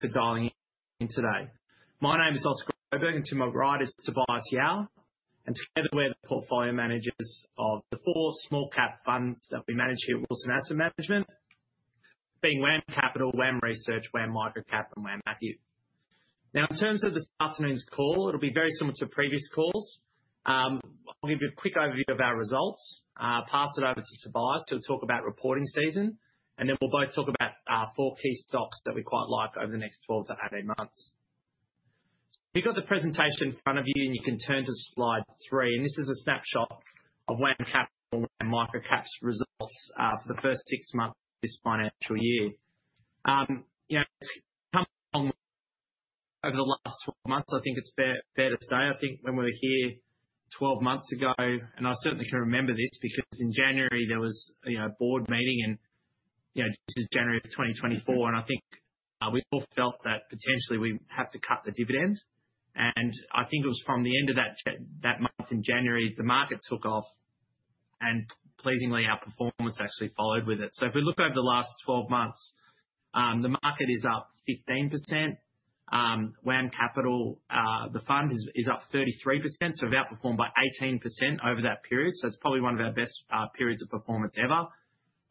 For dialing in today. My name is Oscar Oberg, and to my right is Tobias Yao. And together, we're the portfolio managers of the four small-cap funds that we manage here at Wilson Asset Management, being WAM Capital, WAM Research, WAM Microcap, and WAM Active. Now, in terms of this afternoon's call, it'll be very similar to previous calls. I'll give you a quick overview of our results, pass it over to Tobias, who'll talk about reporting season, and then we'll both talk about four key stocks that we quite like over the next 12 to 18 months. So you've got the presentation in front of you, and you can turn to slide three. And this is a snapshot of WAM Capital and WAM Microcap's results for the first six months of this financial year. It's come along over the last 12 months, I think it's fair to say. I think when we were here 12 months ago, and I certainly can remember this because in January, there was a board meeting, and this is January of 2024, and I think we all felt that potentially we have to cut the dividend. I think it was from the end of that month in January, the market took off, and pleasingly, our performance actually followed with it. If we look over the last 12 months, the market is up 15%. WAM Capital, the fund, is up 33%, so we've outperformed by 18% over that period. It's probably one of our best periods of performance ever.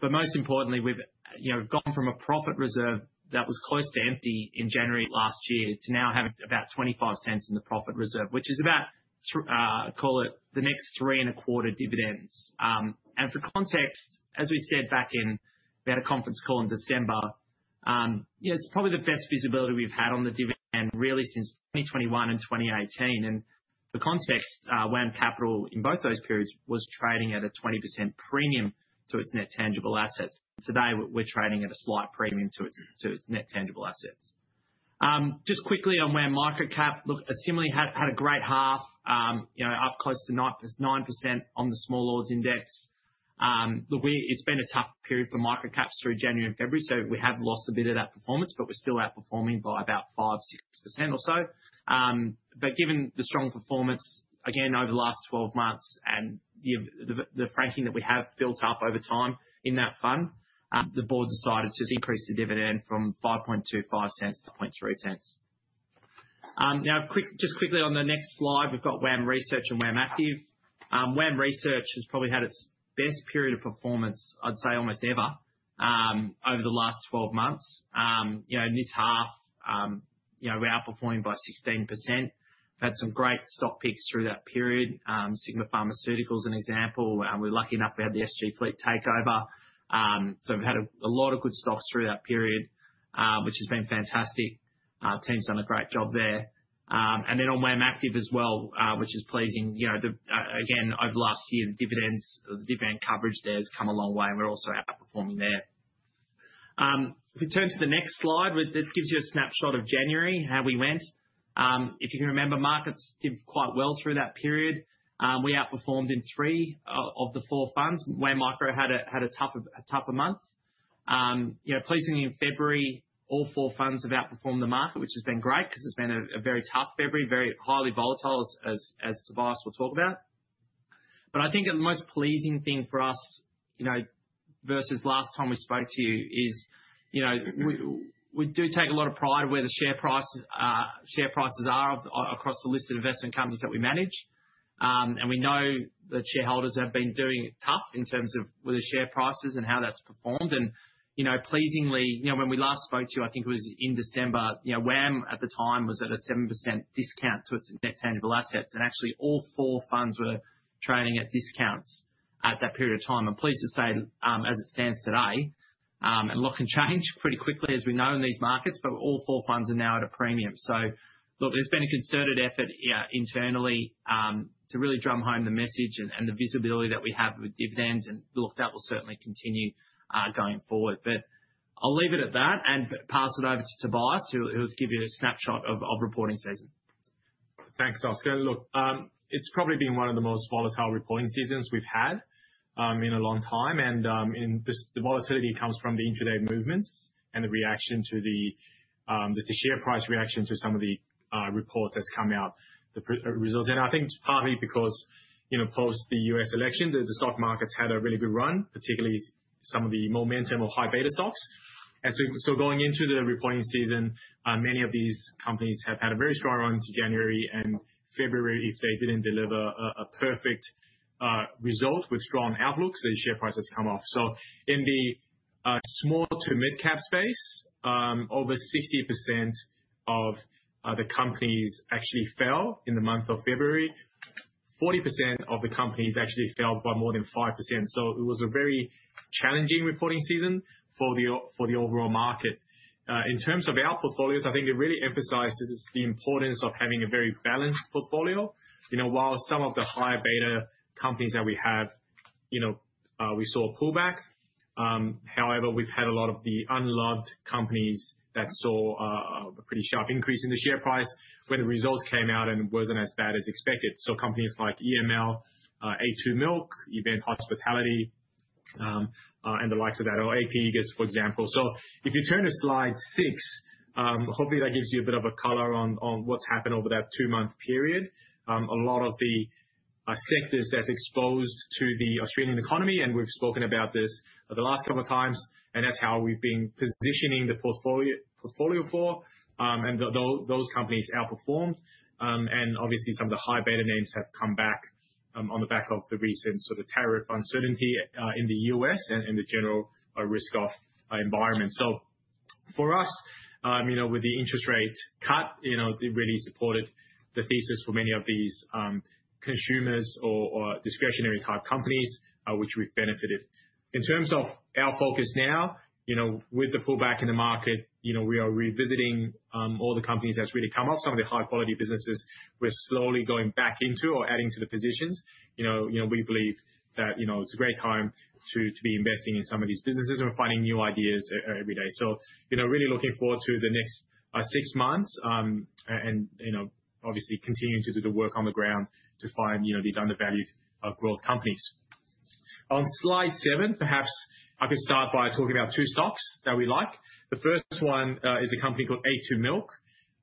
Most importantly, we've gone from a profit reserve that was close to empty in January last year to now having about 0.25 in the profit reserve, which is about, call it, the next three and a quarter dividends. For context, as we said back in, we had a conference call in December, it's probably the best visibility we've had on the dividend really since 2021 and 2018. For context, WAM Capital in both those periods was trading at a 20% premium to its net tangible assets. Today, we're trading at a slight premium to its net tangible assets. Just quickly on WAM Microcap, look, assimilated, had a great half, up close to 9% on the small orders index. Look, it's been a tough period for Microcaps through January and February, so we have lost a bit of that performance, but we're still outperforming by about 5%-6% or so. Given the strong performance, again, over the last 12 months and the franking that we have built up over time in that fund, the board decided to increase the dividend from 0.0525 to 0.053. Now, just quickly on the next slide, we've got WAM Research and WAM Active. WAM Research has probably had its best period of performance, I'd say almost ever, over the last 12 months. In this half, we're outperforming by 16%. We've had some great stock picks through that period. Sigma Healthcare, an example. We're lucky enough we had the SG Fleet takeover. We've had a lot of good stocks through that period, which has been fantastic. Team's done a great job there. On WAM Active as well, which is pleasing. Again, over the last year, the dividend coverage there has come a long way, and we're also outperforming there. If we turn to the next slide, it gives you a snapshot of January, how we went. If you can remember, markets did quite well through that period. We outperformed in three of the four funds. WAM Micro had a tougher month. Pleasingly, in February, all four funds have outperformed the market, which has been great because it's been a very tough February, very highly volatile, as Tobias will talk about. I think the most pleasing thing for us versus last time we spoke to you is we do take a lot of pride in where the share prices are across the listed investment companies that we manage. We know that shareholders have been doing tough in terms of where the share price is and how that's performed. Pleasingly, when we last spoke to you, I think it was in December, WAM at the time was at a 7% discount to its net tangible assets. Actually, all four funds were trading at discounts at that period of time. Pleased to say, as it stands today, and look, it can change pretty quickly, as we know in these markets, all four funds are now at a premium. There has been a concerted effort internally to really drum home the message and the visibility that we have with dividends. That will certainly continue going forward. I will leave it at that and pass it over to Tobias, who'll give you a snapshot of reporting season. Thanks, Oscar. Look, it's probably been one of the most volatile reporting seasons we've had in a long time. The volatility comes from the intraday movements and the reaction to the share price reaction to some of the reports that's come out, the results. I think it's partly because post the U.S. election, the stock markets had a really good run, particularly some of the momentum or high beta stocks. Going into the reporting season, many of these companies have had a very strong run to January. February, if they didn't deliver a perfect result with strong outlooks, the share prices come off. In the small to mid-cap space, over 60% of the companies actually fell in the month of February. 40% of the companies actually fell by more than 5%. It was a very challenging reporting season for the overall market. In terms of our portfolios, I think it really emphasizes the importance of having a very balanced portfolio. While some of the high beta companies that we have, we saw a pullback. However, we've had a lot of the unloved companies that saw a pretty sharp increase in the share price when the results came out and was not as bad as expected. Companies like EML, a2 Milk, Event Hospitality, and the likes of that, or Appen, for example. If you turn to slide six, hopefully that gives you a bit of a color on what has happened over that two-month period. A lot of the sectors that are exposed to the Australian economy, and we've spoken about this the last couple of times, and that is how we've been positioning the portfolio for. Those companies outperformed. Obviously, some of the high beta names have come back on the back of the recent sort of tariff uncertainty in the U.S. and the general risk-off environment. For us, with the interest rate cut, it really supported the thesis for many of these consumer or discretionary type companies, which we've benefited. In terms of our focus now, with the pullback in the market, we are revisiting all the companies that have really come up, some of the high-quality businesses we're slowly going back into or adding to the positions. We believe that it's a great time to be investing in some of these businesses and finding new ideas every day. Really looking forward to the next six months and obviously continuing to do the work on the ground to find these undervalued growth companies. On slide seven, perhaps I could start by talking about two stocks that we like. The first one is a company called a2 Milk.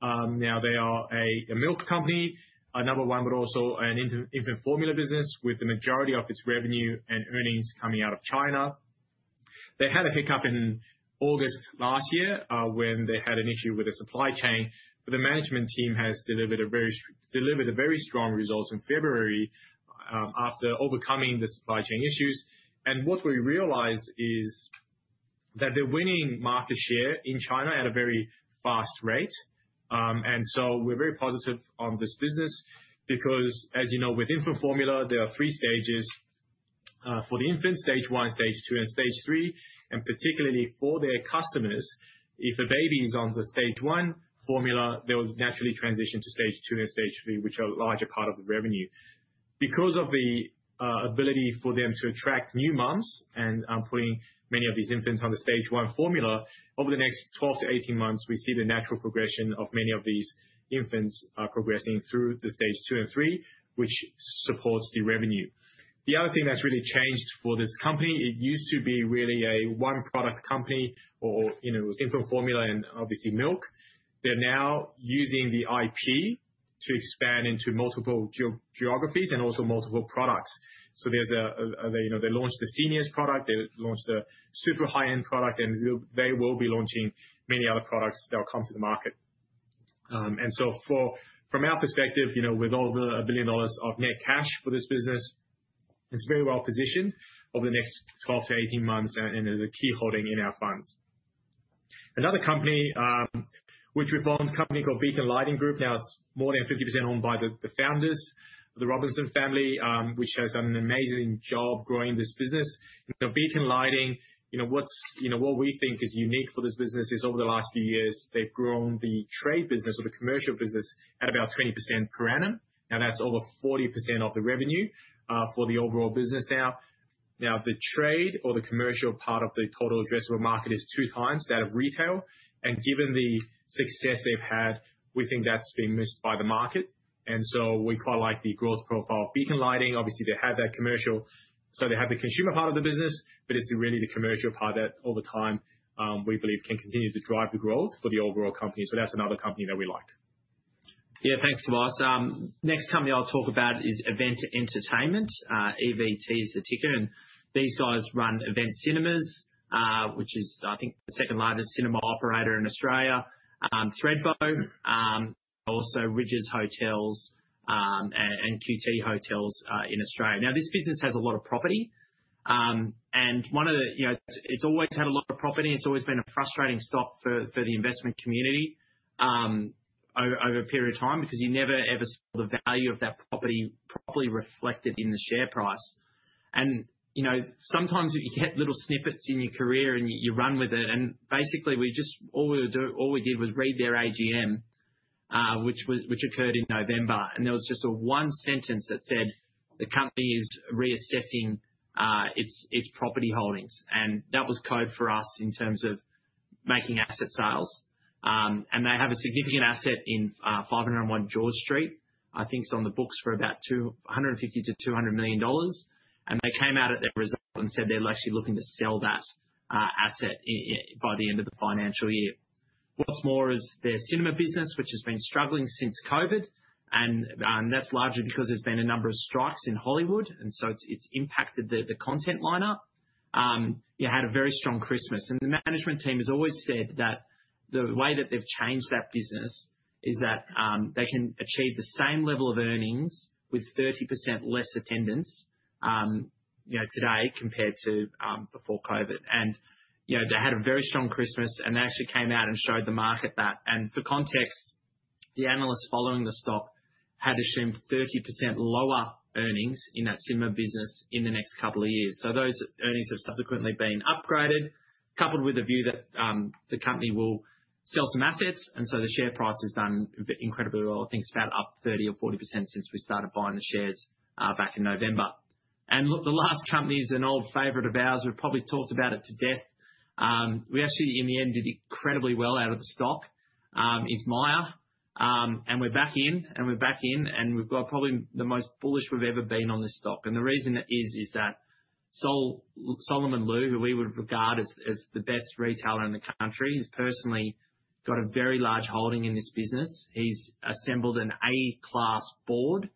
Now, they are a milk company, a number one, but also an infant formula business with the majority of its revenue and earnings coming out of China. They had a hiccup in August last year when they had an issue with the supply chain. The management team has delivered a very strong result in February after overcoming the supply chain issues. What we realized is that they're winning market share in China at a very fast rate. We are very positive on this business because, as you know, with infant formula, there are three stages for the infant: stage one, stage two, and stage three. Particularly for their customers, if a baby is on the stage one formula, they will naturally transition to stage two and stage three, which are a larger part of the revenue. Because of the ability for them to attract new moms and putting many of these infants on the stage one formula, over the next 12-18 months, we see the natural progression of many of these infants progressing through the stage two and three, which supports the revenue. The other thing that's really changed for this company, it used to be really a one-product company or it was infant formula and obviously milk. They're now using the IP to expand into multiple geographies and also multiple products. They launched the seniors product, they launched the super high-end product, and they will be launching many other products that will come to the market. From our perspective, with over $1 billion of net cash for this business, it's very well positioned over the next 12-18 months and is a key holding in our funds. Another company, which we found, a company called Beacon Lighting Group, now it's more than 50% owned by the founders, the Robinson family, which has done an amazing job growing this business. Now, Beacon Lighting, what we think is unique for this business is over the last few years, they've grown the trade business or the commercial business at about 20% per annum. That's over 40% of the revenue for the overall business now. The trade or the commercial part of the total addressable market is two times that of retail. Given the success they've had, we think that's been missed by the market. We quite like the growth profile of Beacon Lighting. Obviously, they have that commercial, so they have the consumer part of the business, but it is really the commercial part that over time we believe can continue to drive the growth for the overall company. That is another company that we like. Yeah, thanks, Tobias. Next company I will talk about is Event Hospitality & Entertainment. EVT is the ticker. These guys run Event Cinemas, which is, I think, the second largest cinema operator in Australia, Threadbo, also Ridges Hotels and QT Hotels in Australia. This business has a lot of property. It has always had a lot of property. It has always been a frustrating stop for the investment community over a period of time because you never ever saw the value of that property properly reflected in the share price. Sometimes you get little snippets in your career and you run with it. Basically, all we did was read their AGM, which occurred in November. There was just one sentence that said, "The company is reassessing its property holdings." That was code for us in terms of making asset sales. They have a significant asset in 501 George Street. I think it's on the books for about 150 million to 200 million dollars. They came out at their result and said they're actually looking to sell that asset by the end of the financial year. What's more is their cinema business, which has been struggling since COVID. That's largely because there's been a number of strikes in Hollywood, so it's impacted the content lineup. You had a very strong Christmas. The management team has always said that the way that they've changed that business is that they can achieve the same level of earnings with 30% less attendance today compared to before COVID. They had a very strong Christmas, and they actually came out and showed the market that. For context, the analysts following the stock had assumed 30% lower earnings in that cinema business in the next couple of years. Those earnings have subsequently been upgraded, coupled with the view that the company will sell some assets. The share price has done incredibly well. I think it's about up 30%-40% since we started buying the shares back in November. The last company is an old favorite of ours. We've probably talked about it to death. We actually, in the end, did incredibly well out of the stock, is Myer. We're back in, and we've got probably the most bullish we've ever been on this stock. The reason is that Solomon Lew, who we would regard as the best retailer in the country, has personally got a very large holding in this business. He's assembled an A-class board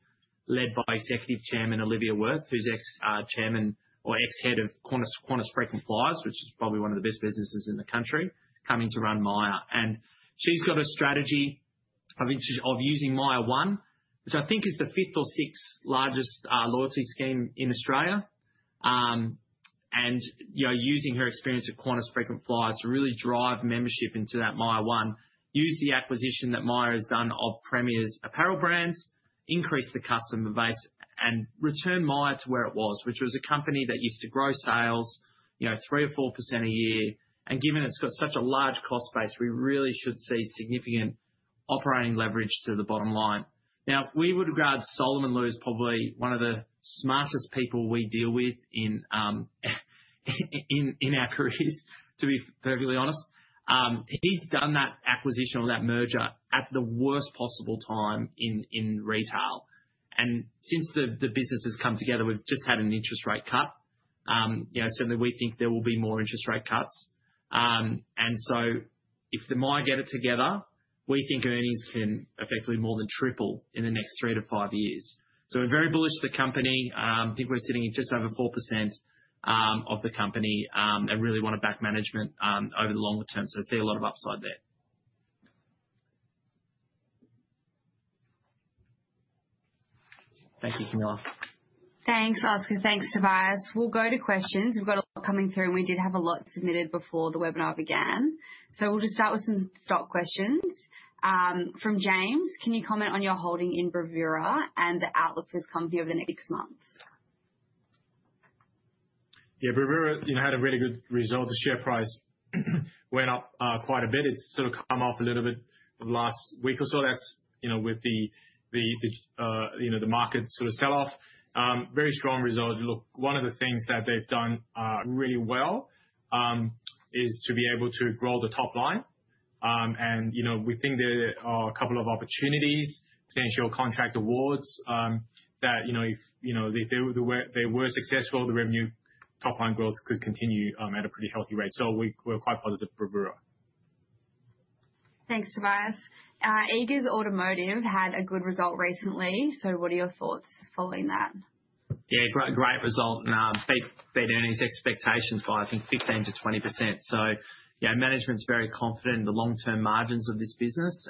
led by Executive Chairman Olivia Wirth, who's ex-chairman or ex-head of Kmart and Target, which is probably one of the best businesses in the country, coming to run Myer. She's got a strategy of using Myer One, which I think is the fifth or sixth largest loyalty scheme in Australia. Using her experience at Corners Freck and Flies to really drive membership into that Myer One, use the acquisition that Myer has done of Premier's apparel brands, increase the customer base, and return Myer to where it was, which was a company that used to grow sales 3% or 4% a year. Given it's got such a large cost base, we really should see significant operating leverage to the bottom line. We would regard Solomon Lew as probably one of the smartest people we deal with in our careers, to be perfectly honest. He's done that acquisition or that merger at the worst possible time in retail. Since the business has come together, we've just had an interest rate cut. Certainly, we think there will be more interest rate cuts. If the Myer get it together, we think earnings can effectively more than triple in the next three to five years. We are very bullish on the company. I think we are sitting at just over 4% of the company and really want to back management over the longer term. I see a lot of upside there. Thank you, Camilla. Thanks, Oscar. Thanks, Tobias. We'll go to questions. We've got a lot coming through, and we did have a lot submitted before the webinar began. We'll just start with some stock questions. From James, can you comment on your holding in Bravura and the outlook for this company over the next six months? Yeah, Bravura had a really good result. The share price went up quite a bit. It's sort of come off a little bit last week or so. That's with the market sort of sell-off. Very strong result. Look, one of the things that they've done really well is to be able to grow the top line. We think there are a couple of opportunities, potential contract awards that if they were successful, the revenue top line growth could continue at a pretty healthy rate. We are quite positive for Bravura. Thanks, Tobias. Aegis Automotive had a good result recently. What are your thoughts following that? Yeah, great result. Big earnings expectations by, I think, 15%-20%. Management's very confident in the long-term margins of this business.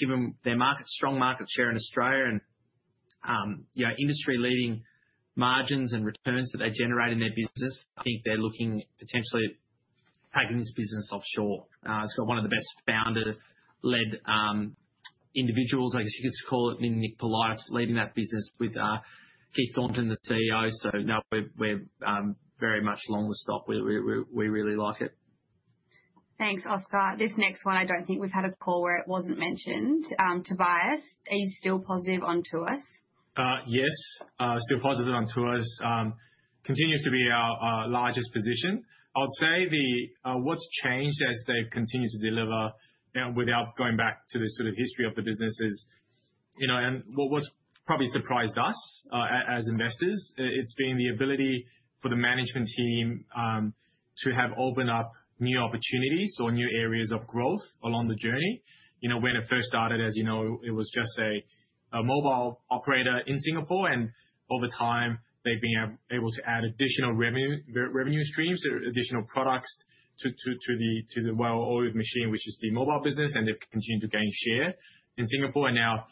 Given their strong market share in Australia and industry-leading margins and returns that they generate in their business, I think they're looking potentially at taking this business offshore. It's got one of the best founder-led individuals, I guess you could call it, Nick Scali, leading that business with Keith Thornton, the CEO. Now we're very much along the stock. We really like it. Thanks, Oscar. This next one, I don't think we've had a call where it wasn't mentioned. Tobias, are you still positive on Tuas? Yes, still positive on Tuas. Continues to be our largest position. I would say what's changed as they've continued to deliver without going back to the sort of history of the business is, and what's probably surprised us as investors, it's been the ability for the management team to have opened up new opportunities or new areas of growth along the journey. When it first started, as you know, it was just a mobile operator in Singapore. Over time, they've been able to add additional revenue streams, additional products to the well-oiled machine, which is the mobile business. They've continued to gain share in Singapore. Now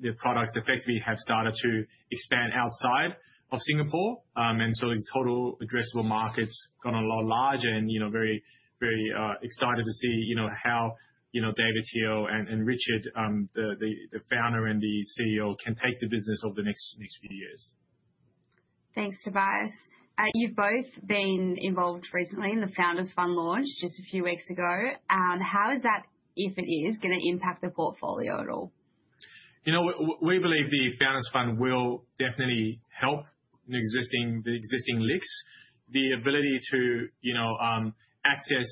their products effectively have started to expand outside of Singapore. The total addressable market's gotten a lot larger. Very excited to see how David Hill and Richard, the founder and the CEO, can take the business over the next few years. Thanks, Tobias. You've both been involved recently in the Founders Fund launch just a few weeks ago. How is that, if it is, going to impact the portfolio at all? We believe the Founders Fund will definitely help the existing LICs. The ability to access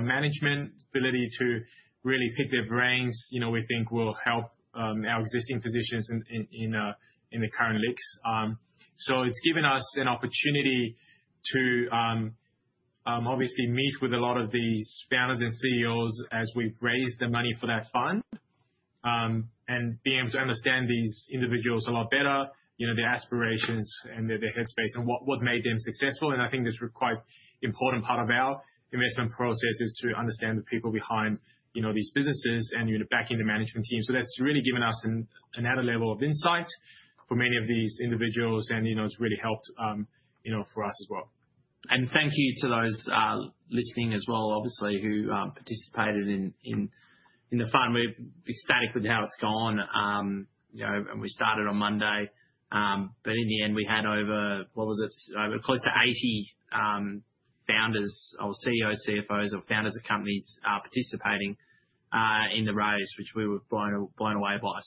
management, ability to really pick their brains, we think will help our existing positions in the current LICs. It has given us an opportunity to obviously meet with a lot of these founders and CEOs as we've raised the money for that fund and being able to understand these individuals a lot better, their aspirations and their headspace and what made them successful. I think this is a quite important part of our investment process is to understand the people behind these businesses and backing the management team. That has really given us another level of insight for many of these individuals. It has really helped for us as well. Thank you to those listening as well, obviously, who participated in the fund. We're ecstatic with how it's gone. We started on Monday. In the end, we had over, what was it, close to 80 founders or CEOs, CFOs, or founders of companies participating in the raise, which we were blown away by.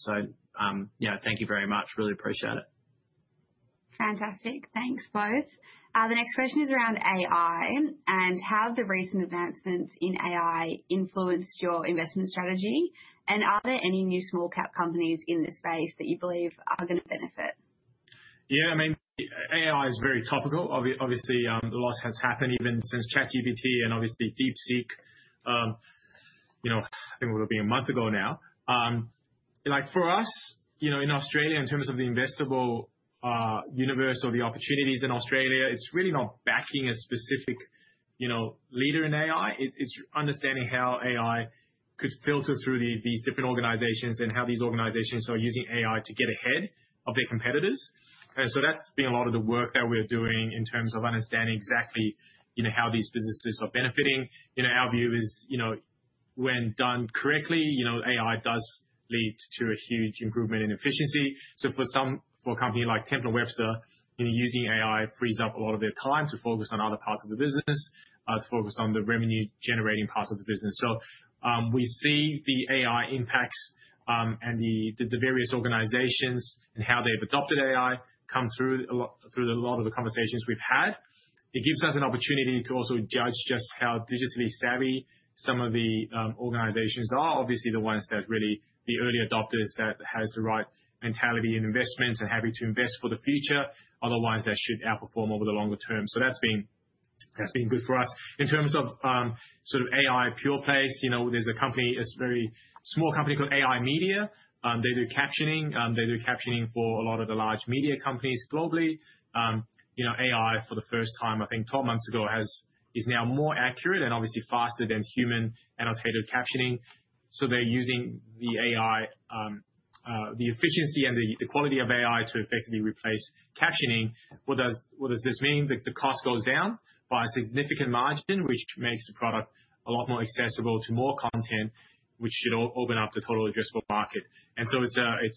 Thank you very much. Really appreciate it. Fantastic. Thanks, both. The next question is around AI and how have the recent advancements in AI influenced your investment strategy? Are there any new small-cap companies in this space that you believe are going to benefit? Yeah, I mean, AI is very topical. Obviously, a lot has happened even since ChatGPT and obviously DeepSeek. I think it'll be a month ago now. For us in Australia, in terms of the investable universe or the opportunities in Australia, it's really not backing a specific leader in AI. It's understanding how AI could filter through these different organizations and how these organizations are using AI to get ahead of their competitors. That has been a lot of the work that we're doing in terms of understanding exactly how these businesses are benefiting. Our view is when done correctly, AI does lead to a huge improvement in efficiency. For a company like Temple & Webster, using AI frees up a lot of their time to focus on other parts of the business, to focus on the revenue-generating parts of the business. We see the AI impacts and the various organizations and how they've adopted AI come through a lot of the conversations we've had. It gives us an opportunity to also judge just how digitally savvy some of the organizations are. Obviously, the ones that are really the early adopters that have the right mentality in investments and are happy to invest for the future, those should outperform over the longer term. That has been good for us. In terms of sort of AI pure plays, there's a company, a very small company called AI Media. They do captioning. They do captioning for a lot of the large media companies globally. AI, for the first time, I think 12 months ago, is now more accurate and obviously faster than human-annotated captioning. They are using the efficiency and the quality of AI to effectively replace captioning. What does this mean? The cost goes down by a significant margin, which makes the product a lot more accessible to more content, which should open up the total addressable market. It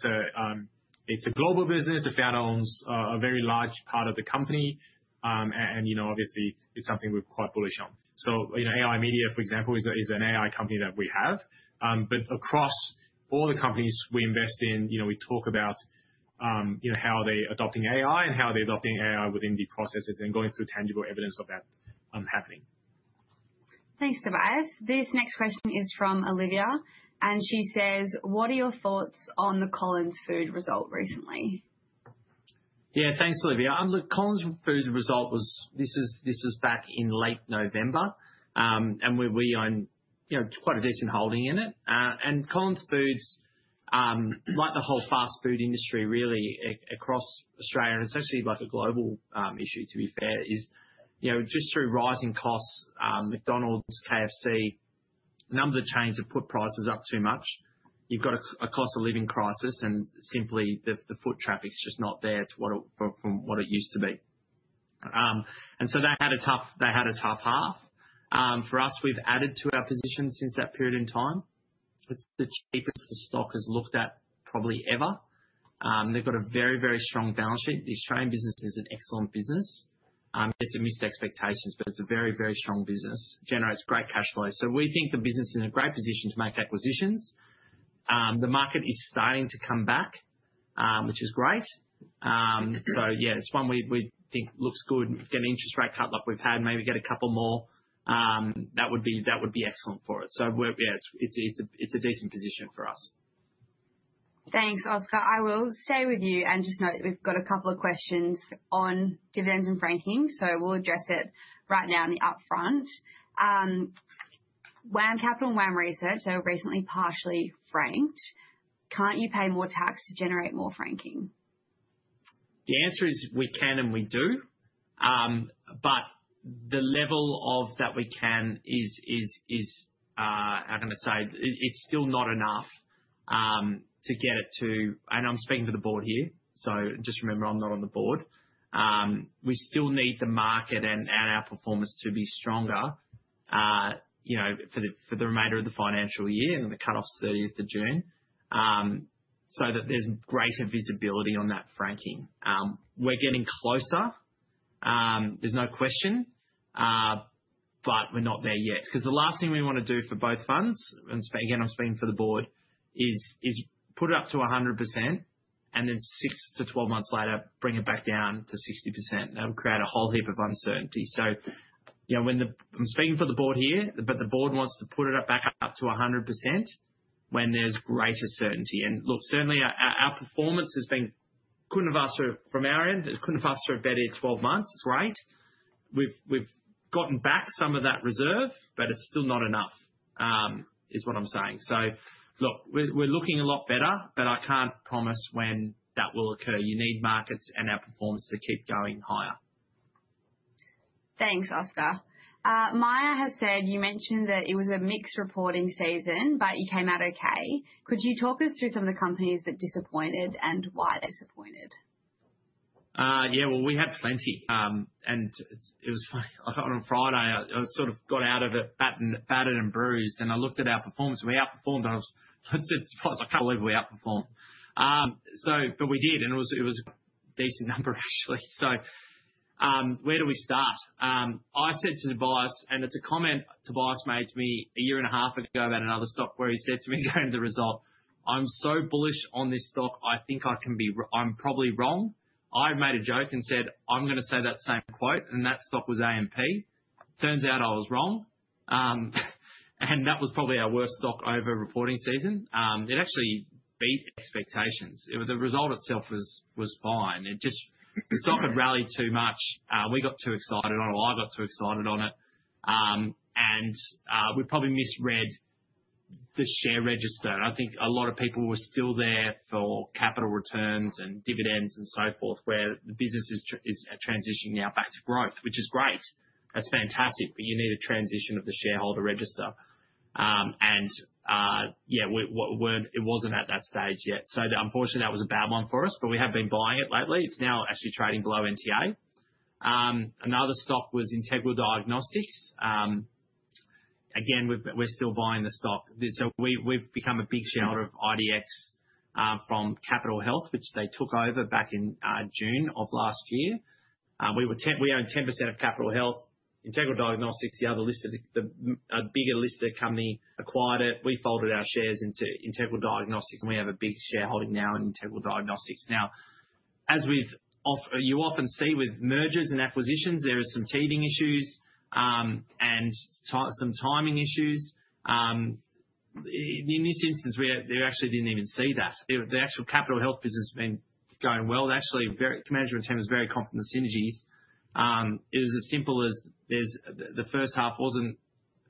is a global business. The founder owns a very large part of the company. Obviously, it is something we are quite bullish on. AI Media, for example, is an AI company that we have. Across all the companies we invest in, we talk about how they are adopting AI and how they are adopting AI within the processes and going through tangible evidence of that happening. Thanks, Tobias. This next question is from Olivia. She says, what are your thoughts on the Collins Foods result recently? Yeah, thanks, Olivia. Look, Collins Foods result was this was back in late November. We own quite a decent holding in it. Collins Foods, like the whole fast food industry really across Australia, and it's actually like a global issue, to be fair, is just through rising costs, McDonald's, KFC, a number of the chains have put prices up too much. You've got a cost of living crisis. Simply, the foot traffic is just not there from what it used to be. They had a tough half. For us, we've added to our position since that period in time. It's the cheapest the stock has looked at probably ever. They've got a very, very strong balance sheet. The Australian business is an excellent business. Yes, it missed expectations, but it's a very, very strong business. It generates great cash flow. We think the business is in a great position to make acquisitions. The market is starting to come back, which is great. Yeah, it's one we think looks good. If we get an interest rate cut like we've had, maybe get a couple more, that would be excellent for it. Yeah, it's a decent position for us. Thanks, Oscar. I will stay with you and just note that we've got a couple of questions on dividends and franking. We will address it right now in the upfront. WAM Capital and WAM Research, they were recently partially franked. Can't you pay more tax to generate more franking? The answer is we can and we do. The level of that we can is, I'm going to say, it's still not enough to get it to, and I'm speaking for the board here. Just remember, I'm not on the board. We still need the market and our performance to be stronger for the remainder of the financial year and the cutoff is 30th of June so that there's greater visibility on that franking. We're getting closer. There's no question. We're not there yet. The last thing we want to do for both funds, and again, I'm speaking for the board, is put it up to 100% and then 6-12 months later, bring it back down to 60%. That'll create a whole heap of uncertainty. I'm speaking for the board here, but the board wants to put it back up to 100% when there's greater certainty. Certainly, our performance has been couldn't have asked for it from our end. It couldn't have asked for it better in 12 months. It's great. We've gotten back some of that reserve, but it's still not enough, is what I'm saying. We're looking a lot better, but I can't promise when that will occur. You need markets and our performance to keep going higher. Thanks, Oscar. Maya has said you mentioned that it was a mixed reporting season, but you came out okay. Could you talk us through some of the companies that disappointed and why they disappointed? Yeah, we had plenty. It was funny. On Friday, I sort of got out of it battered and bruised. I looked at our performance. We outperformed. I was surprised. I can't believe we outperformed. We did. It was a decent number, actually. Where do we start? I said to Tobias, and it's a comment Tobias made to me a year and a half ago about another stock where he said to me during the result, "I'm so bullish on this stock. I think I'm probably wrong." I made a joke and said, "I'm going to say that same quote." That stock was Appen. Turns out I was wrong. That was probably our worst stock over reporting season. It actually beat expectations. The result itself was fine. The stock had rallied too much. We got too excited on it. I got too excited on it. We probably misread the share register. I think a lot of people were still there for capital returns and dividends and so forth, where the business is transitioning now back to growth, which is great. That's fantastic. You need a transition of the shareholder register. It wasn't at that stage yet. Unfortunately, that was a bad one for us. We have been buying it lately. It's now actually trading below NTA. Another stock was Integral Diagnostics. Again, we're still buying the stock. We've become a big shareholder of IDX from Capital Health, which they took over back in June of last year. We own 10% of Capital Health. Integral Diagnostics, the other listed, a bigger listed company acquired it. We folded our shares into Integral Diagnostics. We have a big shareholding now in Integral Diagnostics. Now, as you often see with mergers and acquisitions, there are some teething issues and some timing issues. In this instance, we actually did not even see that. The actual Capital Health business has been going well. Actually, management team was very confident in the synergies. It was as simple as the first half was not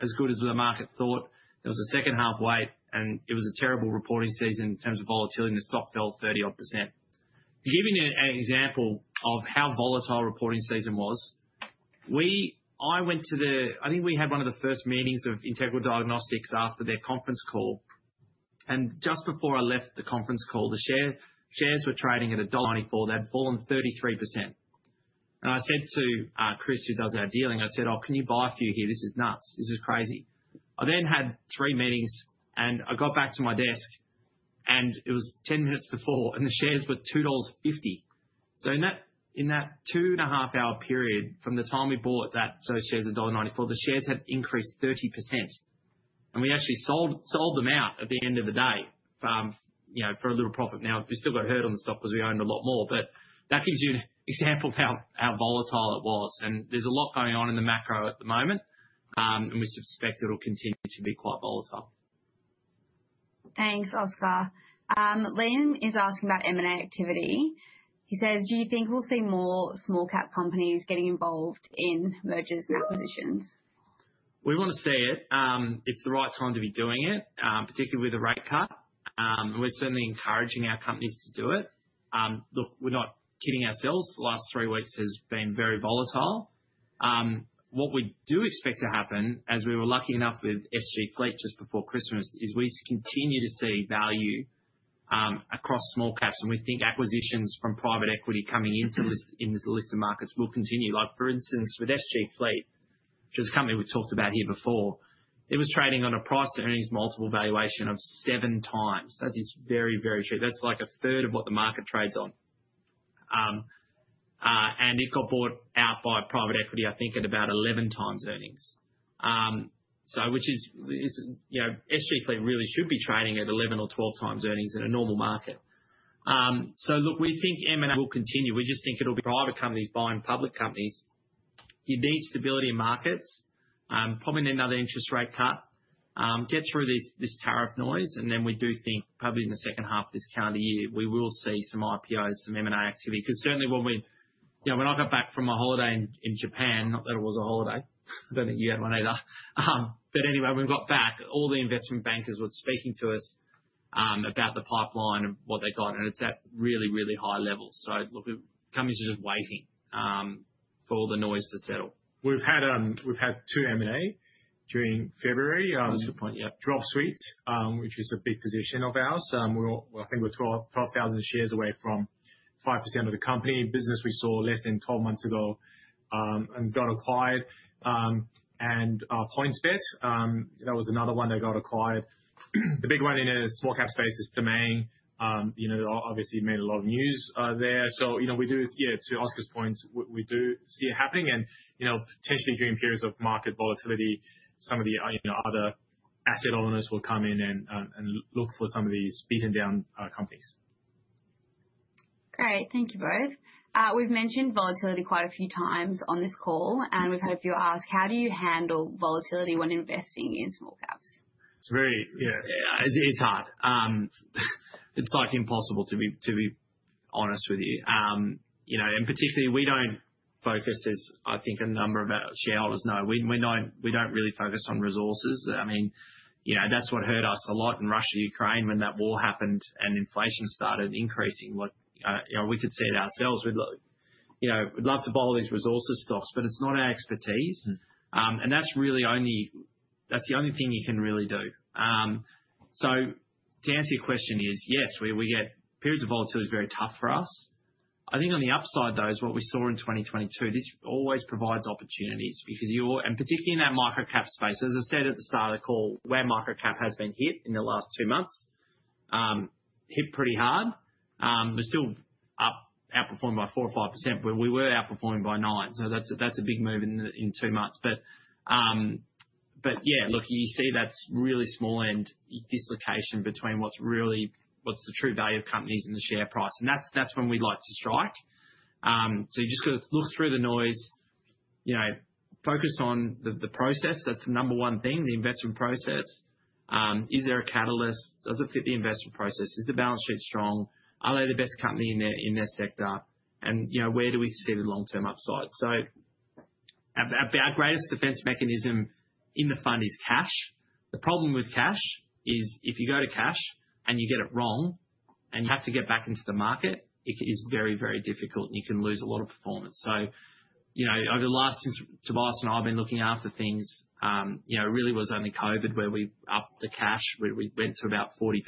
as good as the market thought. There was a second half wait. It was a terrible reporting season in terms of volatility. The stock fell 30-odd %. To give you an example of how volatile reporting season was, I went to the I think we had one of the first meetings of Integral Diagnostics after their conference call. Just before I left the conference call, the shares were trading at AUD 1.94. They had fallen 33%. I said to Chris, who does our dealing, I said, "Oh, can you buy a few here? This is nuts. This is crazy. I then had three meetings. I got back to my desk, and it was 10 minutes to 4:00 P.M., and the shares were $2.50. In that two-and-a-half-hour period from the time we bought those shares at $1.94, the shares had increased 30%. We actually sold them out at the end of the day for a little profit. Now, we still got hurt on the stock because we owned a lot more. That gives you an example of how volatile it was. There is a lot going on in the macro at the moment, and we suspect it'll continue to be quite volatile. Thanks, Oscar. Liam is asking about M&A activity. He says, "Do you think we'll see more small-cap companies getting involved in mergers and acquisitions? We want to see it. It's the right time to be doing it, particularly with the rate cut. We're certainly encouraging our companies to do it. Look, we're not kidding ourselves. The last three weeks has been very volatile. What we do expect to happen, as we were lucky enough with SG Fleet just before Christmas, is we continue to see value across small caps. We think acquisitions from private equity coming into the listed markets will continue. For instance, with SG Fleet, which is a company we've talked about here before, it was trading on a price-earnings multiple valuation of seven times. That is very, very true. That's like a third of what the market trades on. It got bought out by private equity, I think, at about 11 times earnings, which is SG Fleet really should be trading at 11 or 12 times earnings in a normal market. Look, we think M&A will continue. We just think it'll be private companies buying public companies. You need stability in markets. Probably another interest rate cut. Get through this tariff noise. We do think probably in the second half of this calendar year, we will see some IPOs, some M&A activity. Certainly, when I got back from my holiday in Japan, not that it was a holiday. I do not think you had one either. Anyway, when we got back, all the investment bankers were speaking to us about the pipeline and what they got. It is at really, really high levels. The company's just waiting for all the noise to settle. We've had two M&A during February. That's a good point. Yeah. Dropsuite, which is a big position of ours. I think we're 12,000 shares away from 5% of the company. Business we saw less than 12 months ago and got acquired. And PointsBet, that was another one that got acquired. The big one in a small-cap space is Tuas. Obviously, it made a lot of news there. Yeah, to Oscar's point, we do see it happening. Potentially, during periods of market volatility, some of the other asset owners will come in and look for some of these beaten-down companies. Great. Thank you both. We've mentioned volatility quite a few times on this call. We've heard a few of you ask, how do you handle volatility when investing in small caps? Yeah, it's hard. It's like impossible, to be honest with you. And particularly, we don't focus, as I think a number of our shareholders know, we don't really focus on resources. I mean, that's what hurt us a lot in Russia-Ukraine when that war happened and inflation started increasing. We could see it ourselves. We'd love to buy all these resources stocks, but it's not our expertise. And that's really only that's the only thing you can really do. To answer your question is, yes, we get periods of volatility is very tough for us. I think on the upside, though, is what we saw in 2022. This always provides opportunities. And particularly in that microcap space, as I said at the start of the call, where microcap has been hit in the last two months, hit pretty hard. We're still outperforming by 4% or 5%. We were outperforming by 9%. That is a big move in two months. Yeah, look, you see that is really small-end dislocation between what is the true value of companies and the share price. That is when we like to strike. You just have to look through the noise, focus on the process. That is the number one thing, the investment process. Is there a catalyst? Does it fit the investment process? Is the balance sheet strong? Are they the best company in their sector? Where do we see the long-term upside? Our greatest defense mechanism in the fund is cash. The problem with cash is if you go to cash and you get it wrong and you have to get back into the market, it is very, very difficult. You can lose a lot of performance. Over the last, since Tobias and I have been looking after things, it really was only COVID where we upped the cash. We went to about 40%.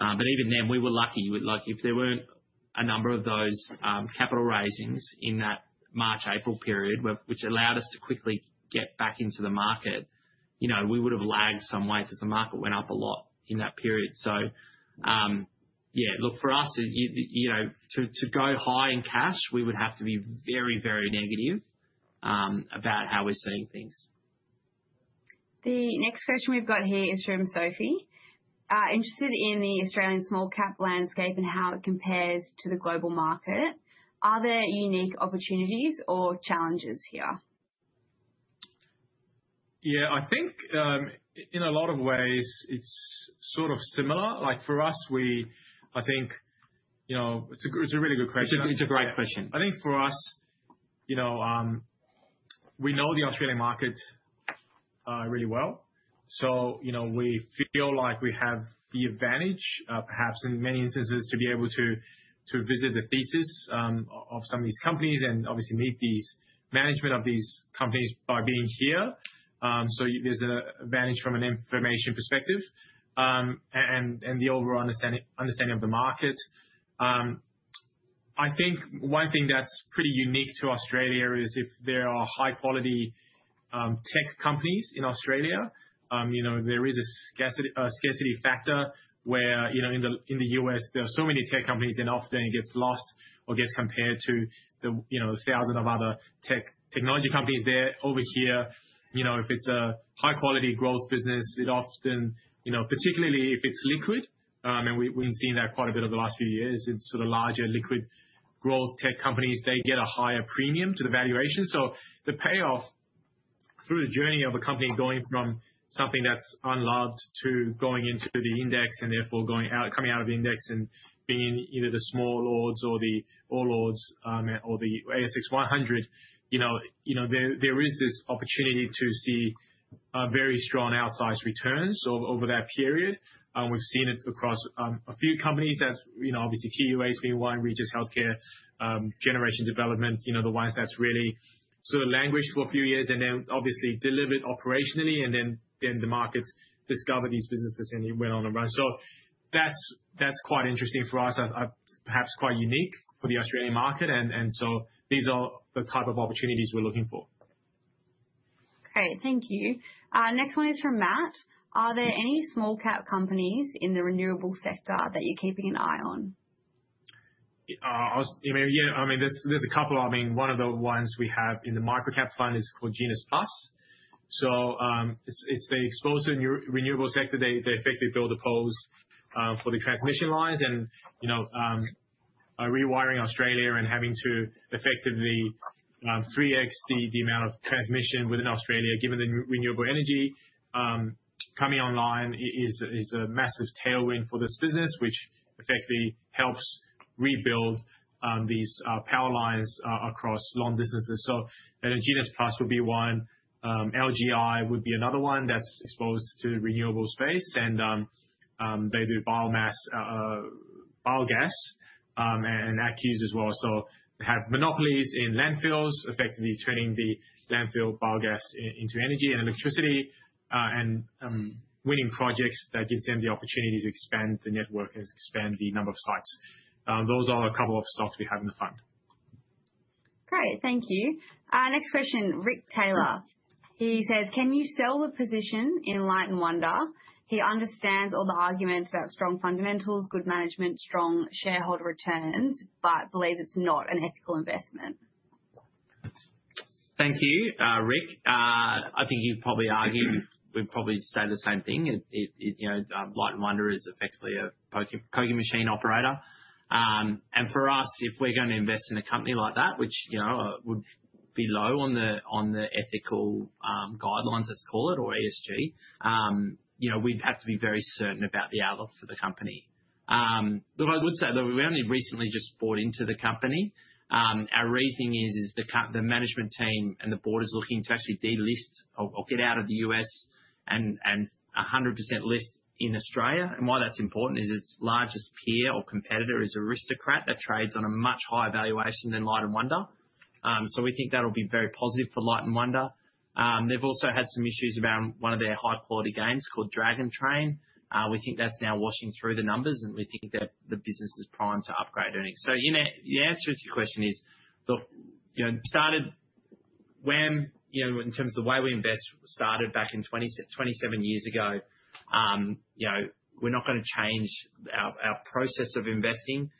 If there were not a number of those capital raisings in that March-April period, which allowed us to quickly get back into the market, we would have lagged some way because the market went up a lot in that period. For us, to go high in cash, we would have to be very, very negative about how we are seeing things. The next question we've got here is from Sophie. Interested in the Australian small-cap landscape and how it compares to the global market. Are there unique opportunities or challenges here? Yeah, I think in a lot of ways, it's sort of similar. For us, I think it's a really good question. It's a great question. I think for us, we know the Australian market really well. We feel like we have the advantage, perhaps in many instances, to be able to visit the thesis of some of these companies and obviously meet the management of these companies by being here. There is an advantage from an information perspective and the overall understanding of the market. I think one thing that's pretty unique to Australia is if there are high-quality tech companies in Australia, there is a scarcity factor where in the U.S., there are so many tech companies, and often it gets lost or gets compared to the thousands of other tech technology companies there. Over here, if it's a high-quality growth business, it often, particularly if it's liquid, and we've seen that quite a bit over the last few years, it's sort of larger liquid growth tech companies, they get a higher premium to the valuation. The payoff through the journey of a company going from something that's unloved to going into the index and therefore coming out of the index and being in either the small orders or the all orders or the ASX 100, there is this opportunity to see very strong outsized returns over that period. We've seen it across a few companies. Obviously, Tuas has been one. Regis Healthcare, Generation Development, the ones that really sort of languished for a few years and then obviously delivered operationally. The market discovered these businesses and it went on and run. That's quite interesting for us, perhaps quite unique for the Australian market. And these are the type of opportunities we're looking for. Great. Thank you. Next one is from Matt. Are there any small-cap companies in the renewable sector that you're keeping an eye on? Yeah, I mean, there's a couple. I mean, one of the ones we have in the microcap fund is called GenusPlus. They are exposed to the renewable sector. They effectively build a pole for the transmission lines. Rewiring Australia and having to effectively 3x the amount of transmission within Australia, given the renewable energy coming online, is a massive tailwind for this business, which effectively helps rebuild these power lines across long distances. GenusPlus would be one. LGI would be another one that's exposed to the renewable space. They do biomass, biogas, and ACCUs as well. They have monopolies in landfills, effectively turning the landfill biogas into energy and electricity and winning projects that gives them the opportunity to expand the network and expand the number of sites. Those are a couple of stocks we have in the fund. Great. Thank you. Next question, Rick Taylor. He says, "Can you sell the position in Light & Wonder? He understands all the arguments about strong fundamentals, good management, strong shareholder returns, but believes it's not an ethical investment. Thank you, Rick. I think you'd probably argue we'd probably say the same thing. Light & Wonder is effectively a pokie machine operator. For us, if we're going to invest in a company like that, which would be low on the ethical guidelines, let's call it, or ESG, we'd have to be very certain about the outlook for the company. Look, I would say that we only recently just bought into the company. Our reasoning is the management team and the board is looking to actually delist or get out of the U.S. and 100% list in Australia. Why that's important is its largest peer or competitor is Aristocrat that trades on a much higher valuation than Light & Wonder. We think that'll be very positive for Light & Wonder. They've also had some issues around one of their high-quality games called Dragon Link. We think that's now washing through the numbers. We think that the business is primed to upgrade earnings. The answer to your question is, look, we started when in terms of the way we invest started back in 27 years ago. We're not going to change our process of investing,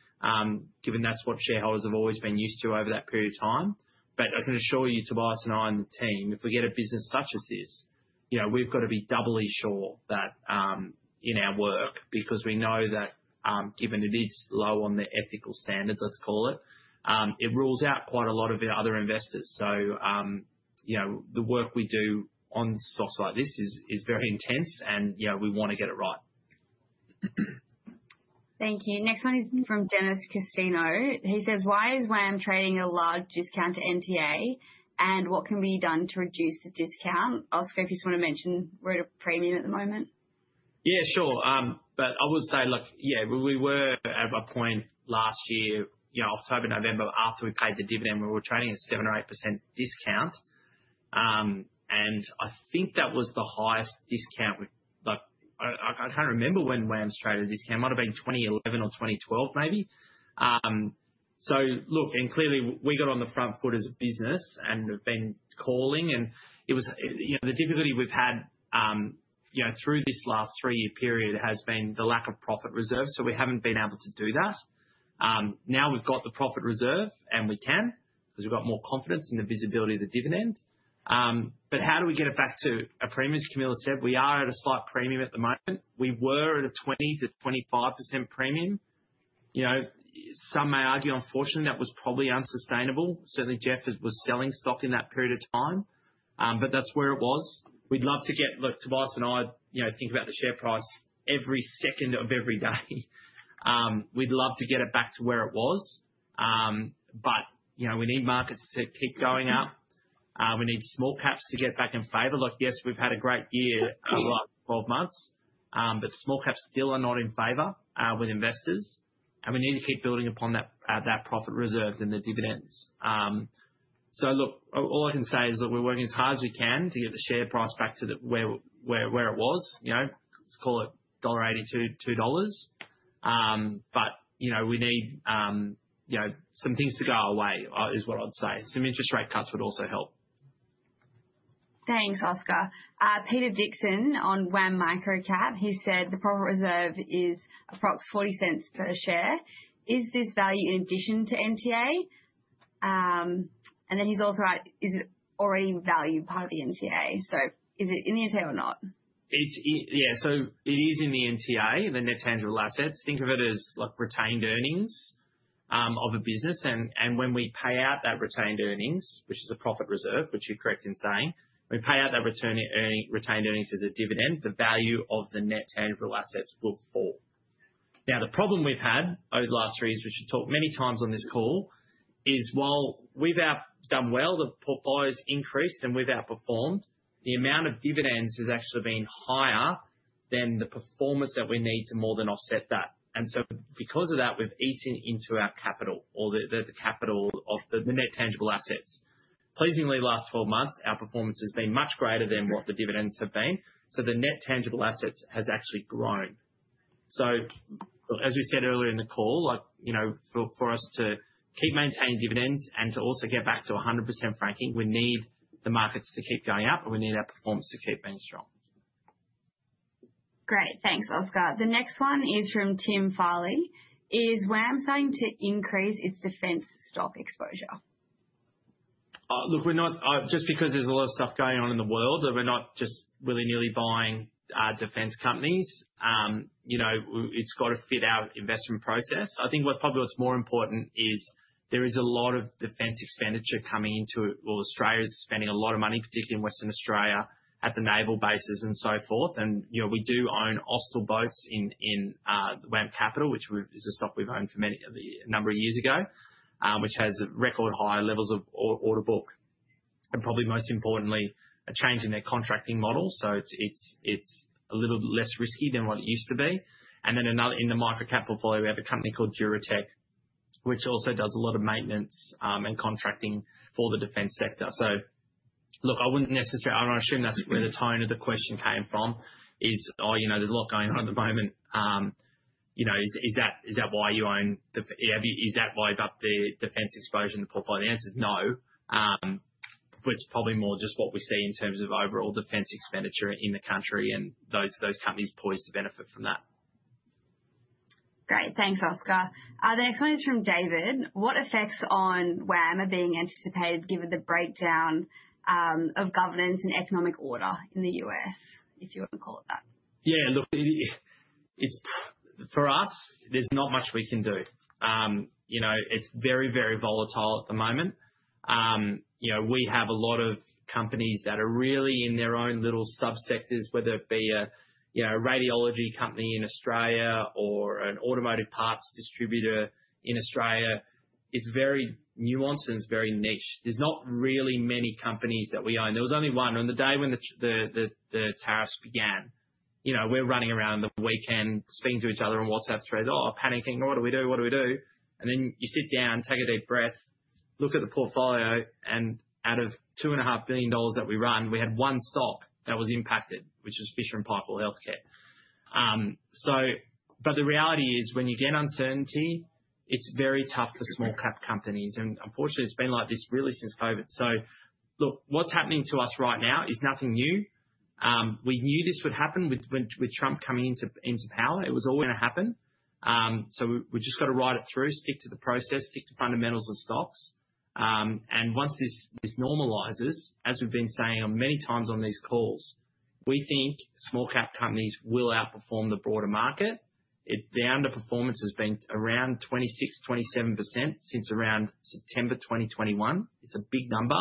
given that's what shareholders have always been used to over that period of time. I can assure you, Tobias and I and the team, if we get a business such as this, we've got to be doubly sure in our work because we know that given it is low on the ethical standards, let's call it, it rules out quite a lot of other investors. The work we do on stocks like this is very intense. We want to get it right. Thank you. Next one is from Dennis Castino. He says, "Why is WAM trading a large discount to NTA? And what can be done to reduce the discount?" Oscar, if you just want to mention, we're at a premium at the moment. Yeah, sure. I would say, look, yeah, we were at a point last year, October, November, after we paid the dividend, we were trading at 7% or 8% discount. I think that was the highest discount. I can't remember when WAM's traded this came out. It might have been 2011 or 2012, maybe. Look, clearly, we got on the front foot as a business and have been calling. The difficulty we've had through this last three-year period has been the lack of profit reserve. We haven't been able to do that. Now we've got the profit reserve, and we can because we've got more confidence in the visibility of the dividend. How do we get it back to a premium? As Camilla said, we are at a slight premium at the moment. We were at a 20%-25% premium. Some may argue, unfortunately, that was probably unsustainable. Certainly, Geoff was selling stock in that period of time. That is where it was. We'd love to get, look, Tobias and I think about the share price every second of every day. We'd love to get it back to where it was. We need markets to keep going up. We need small caps to get back in favor. Yes, we've had a great year over the last 12 months. Small caps still are not in favor with investors. We need to keep building upon that profit reserve and the dividends. All I can say is that we're working as hard as we can to get the share price back to where it was. Let's call it 1.82 dollars. We need some things to go our way is what I'd say. So`me interest rate cuts would also help. Thanks, Oscar. Peter Dixon on wam Microcap. He said the profit reserve is approximately 0.40 per share. Is this value in addition to NTA? He has also asked, is it already valued as part of the NTA? Is it in the NTA or not? Yeah. It is in the NTA, the net tangible assets. Think of it as retained earnings of a business. When we pay out that retained earnings, which is a profit reserve, which you're correct in saying, we pay out that retained earnings as a dividend, the value of the net tangible assets will fall. The problem we've had over the last three years, which we've talked many times on this call, is while we've done well, the portfolio has increased, and we've outperformed, the amount of dividends has actually been higher than the performance that we need to more than offset that. Because of that, we've eaten into our capital or the capital of the net tangible assets. Pleasingly, last 12 months, our performance has been much greater than what the dividends have been. The net tangible assets has actually grown. As we said earlier in the call, for us to keep maintaining dividends and to also get back to 100% franking, we need the markets to keep going up, and we need our performance to keep being strong. Great. Thanks, Oscar. The next one is from Tim Farley. Is WAM starting to increase its defense stock exposure? Look, just because there's a lot of stuff going on in the world, we're not just willy-nilly buying defense companies. It's got to fit our investment process. I think probably what's more important is there is a lot of defense expenditure coming into it. Australia is spending a lot of money, particularly in Western Australia, at the naval bases and so forth. We do own Austal in WAM Capital, which is a stock we've owned for a number of years, which has record high levels of order book. Probably most importantly, a change in their contracting model. So it's a little bit less risky than what it used to be. In the microcap portfolio, we have a company called Durotech, which also does a lot of maintenance and contracting for the defense sector. I would not necessarily assume that is where the tone of the question came from, "Oh, there is a lot going on at the moment. Is that why you own the, is that why you have upped the defense exposure in the portfolio?" The answer is no. It is probably more just what we see in terms of overall defense expenditure in the country and those companies poised to benefit from that. Great. Thanks, Oscar. The next one is from David. What effects on WAM are being anticipated given the breakdown of governance and economic order in the U.S., if you want to call it that? Yeah, look, for us, there's not much we can do. It's very, very volatile at the moment. We have a lot of companies that are really in their own little subsectors, whether it be a radiology company in Australia or an automotive parts distributor in Australia. It's very nuanced and it's very niche. There's not really many companies that we own. There was only one on the day when the tariffs began. We're running around the weekend, speaking to each other on WhatsApp threads, "Oh, panicking. What do we do? What do we do?" You sit down, take a deep breath, look at the portfolio. Out of 2.5 billion dollars that we run, we had one stock that was impacted, which was Fisher & Paykel Healthcare. The reality is, when you get uncertainty, it's very tough for small-cap companies. Unfortunately, it's been like this really since COVID. Look, what's happening to us right now is nothing new. We knew this would happen with Trump coming into power. It was always going to happen. We've just got to ride it through, stick to the process, stick to fundamentals and stocks. Once this normalizes, as we've been saying many times on these calls, we think small-cap companies will outperform the broader market. The underperformance has been around 26%-27% since around September 2021. It's a big number.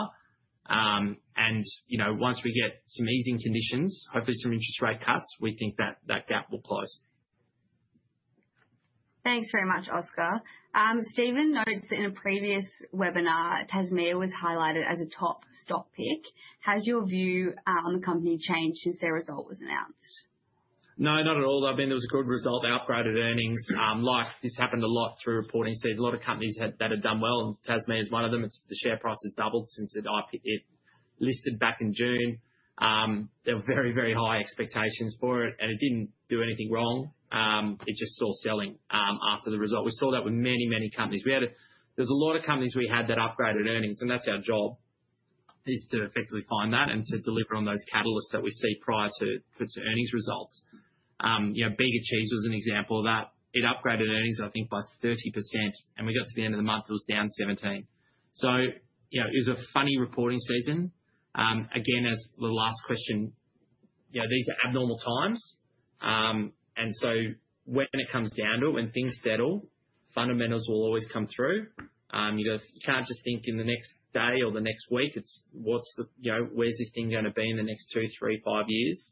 Once we get some easing conditions, hopefully some interest rate cuts, we think that gap will close. Thanks very much, Oscar. Stephen notes that in a previous webinar, Tassal Group was highlighted as a top stock pick. Has your view on the company changed since their result was announced? No, not at all. I mean, there was a good result. They upgraded earnings. This happened a lot through reporting. A lot of companies that had done well, and Tassal is one of them. The share price has doubled since it listed back in June. There were very, very high expectations for it. It did not do anything wrong. It just saw selling after the result. We saw that with many, many companies. There were a lot of companies we had that upgraded earnings. That is our job, to effectively find that and to deliver on those catalysts that we see prior to earnings results. Big Achieves was an example of that. It upgraded earnings, I think, by 30%. We got to the end of the month, it was down 17%. It was a funny reporting season. Again, as the last question, these are abnormal times. When it comes down to it, when things settle, fundamentals will always come through. You can't just think in the next day or the next week. It's where's this thing going to be in the next two, three, five years?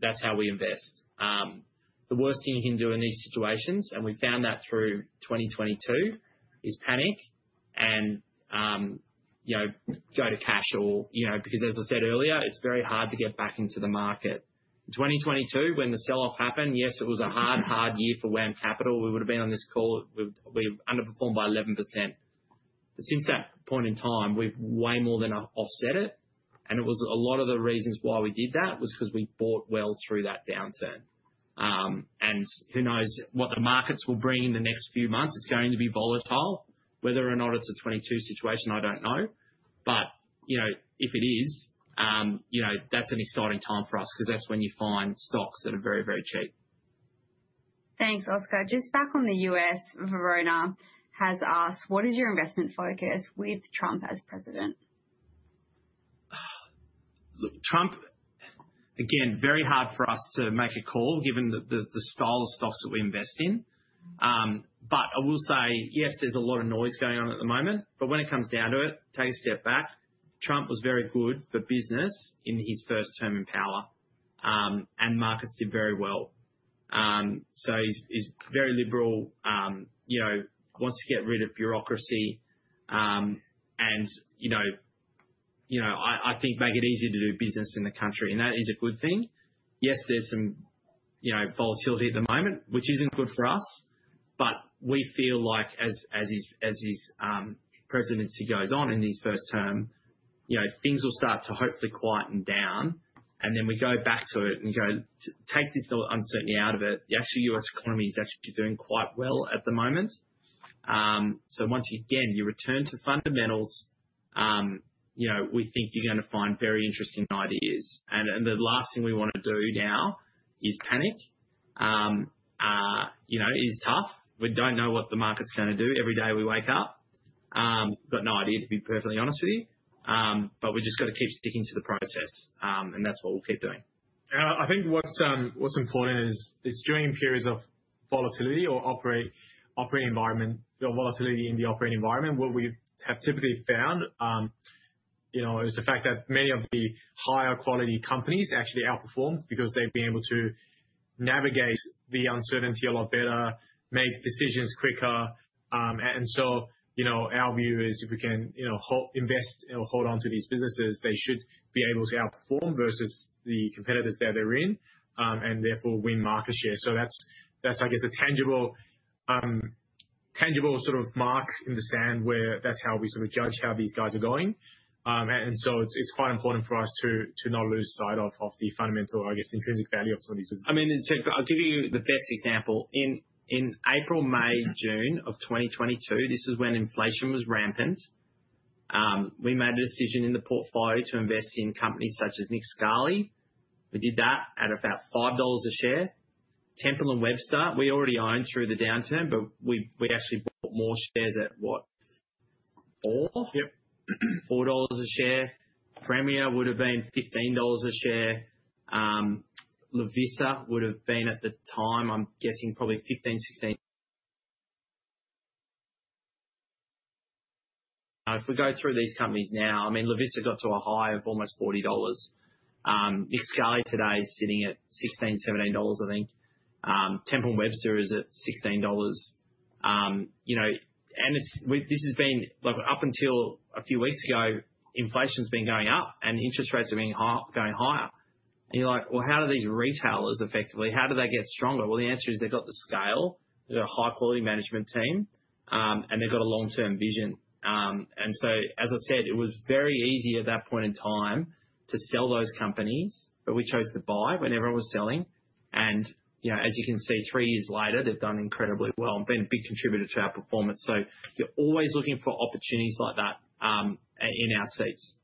That's how we invest. The worst thing you can do in these situations, and we found that through 2022, is panic and go to cash. As I said earlier, it's very hard to get back into the market. In 2022, when the selloff happened, yes, it was a hard, hard year for WAM Capital. We would have been on this call. We underperformed by 11%. Since that point in time, we've way more than offset it. A lot of the reasons why we did that was because we bought well through that downturn. Who knows what the markets will bring in the next few months. It's going to be volatile. Whether or not it's a 2022 situation, I don't know. If it is, that's an exciting time for us because that's when you find stocks that are very, very cheap. Thanks, Oscar. Just back on the U.S., Verona has asked, "What is your investment focus with Trump as president? Look, Trump, again, very hard for us to make a call given the style of stocks that we invest in. I will say, yes, there's a lot of noise going on at the moment. When it comes down to it, take a step back. Trump was very good for business in his first term in power. Markets did very well. He is very liberal, wants to get rid of bureaucracy. I think make it easier to do business in the country. That is a good thing. Yes, there's some volatility at the moment, which isn't good for us. We feel like as his presidency goes on in his first term, things will start to hopefully quieten down. We go back to it and go, "Take this uncertainty out of it." The actual US economy is actually doing quite well at the moment. Once again, you return to fundamentals, we think you're going to find very interesting ideas. The last thing we want to do now is panic. It's tough. We don't know what the market's going to do every day we wake up. We've got no idea, to be perfectly honest with you. We've just got to keep sticking to the process. That's what we'll keep doing. I think what's important is during periods of volatility or operating environment, volatility in the operating environment, what we have typically found is the fact that many of the higher quality companies actually outperform because they've been able to navigate the uncertainty a lot better, make decisions quicker. Our view is if we can invest or hold on to these businesses, they should be able to outperform versus the competitors that they're in and therefore win market share. That's, I guess, a tangible sort of mark in the sand where that's how we sort of judge how these guys are going. It's quite important for us to not lose sight of the fundamental, I guess, intrinsic value of some of these businesses. I mean, I'll give you the best example. In April, May, June of 2022, this is when inflation was rampant. We made a decision in the portfolio to invest in companies such as Nick Scali. We did that at about 5 dollars a share. Temple & Webster, we already owned through the downturn, but we actually bought more shares at, what, 4 a share. Premier would have been 15 dollars a share. Lovisa would have been at the time, I'm guessing, probably 15-16. Now, if we go through these companies now, I mean, Lovisa got to a high of almost 40 dollars. Nick Scali today is sitting at 16-17 dollars, I think. Temple & Webster is at 16 dollars. This has been up until a few weeks ago, inflation's been going up and interest rates are going higher. You are like, "Well, how do these retailers effectively, how do they get stronger?" The answer is they have the scale, they have a high-quality management team, and they have a long-term vision. As I said, it was very easy at that point in time to sell those companies, but we chose to buy when everyone was selling. As you can see, three years later, they have done incredibly well and been a big contributor to our performance. You are always looking for opportunities like that in our seats.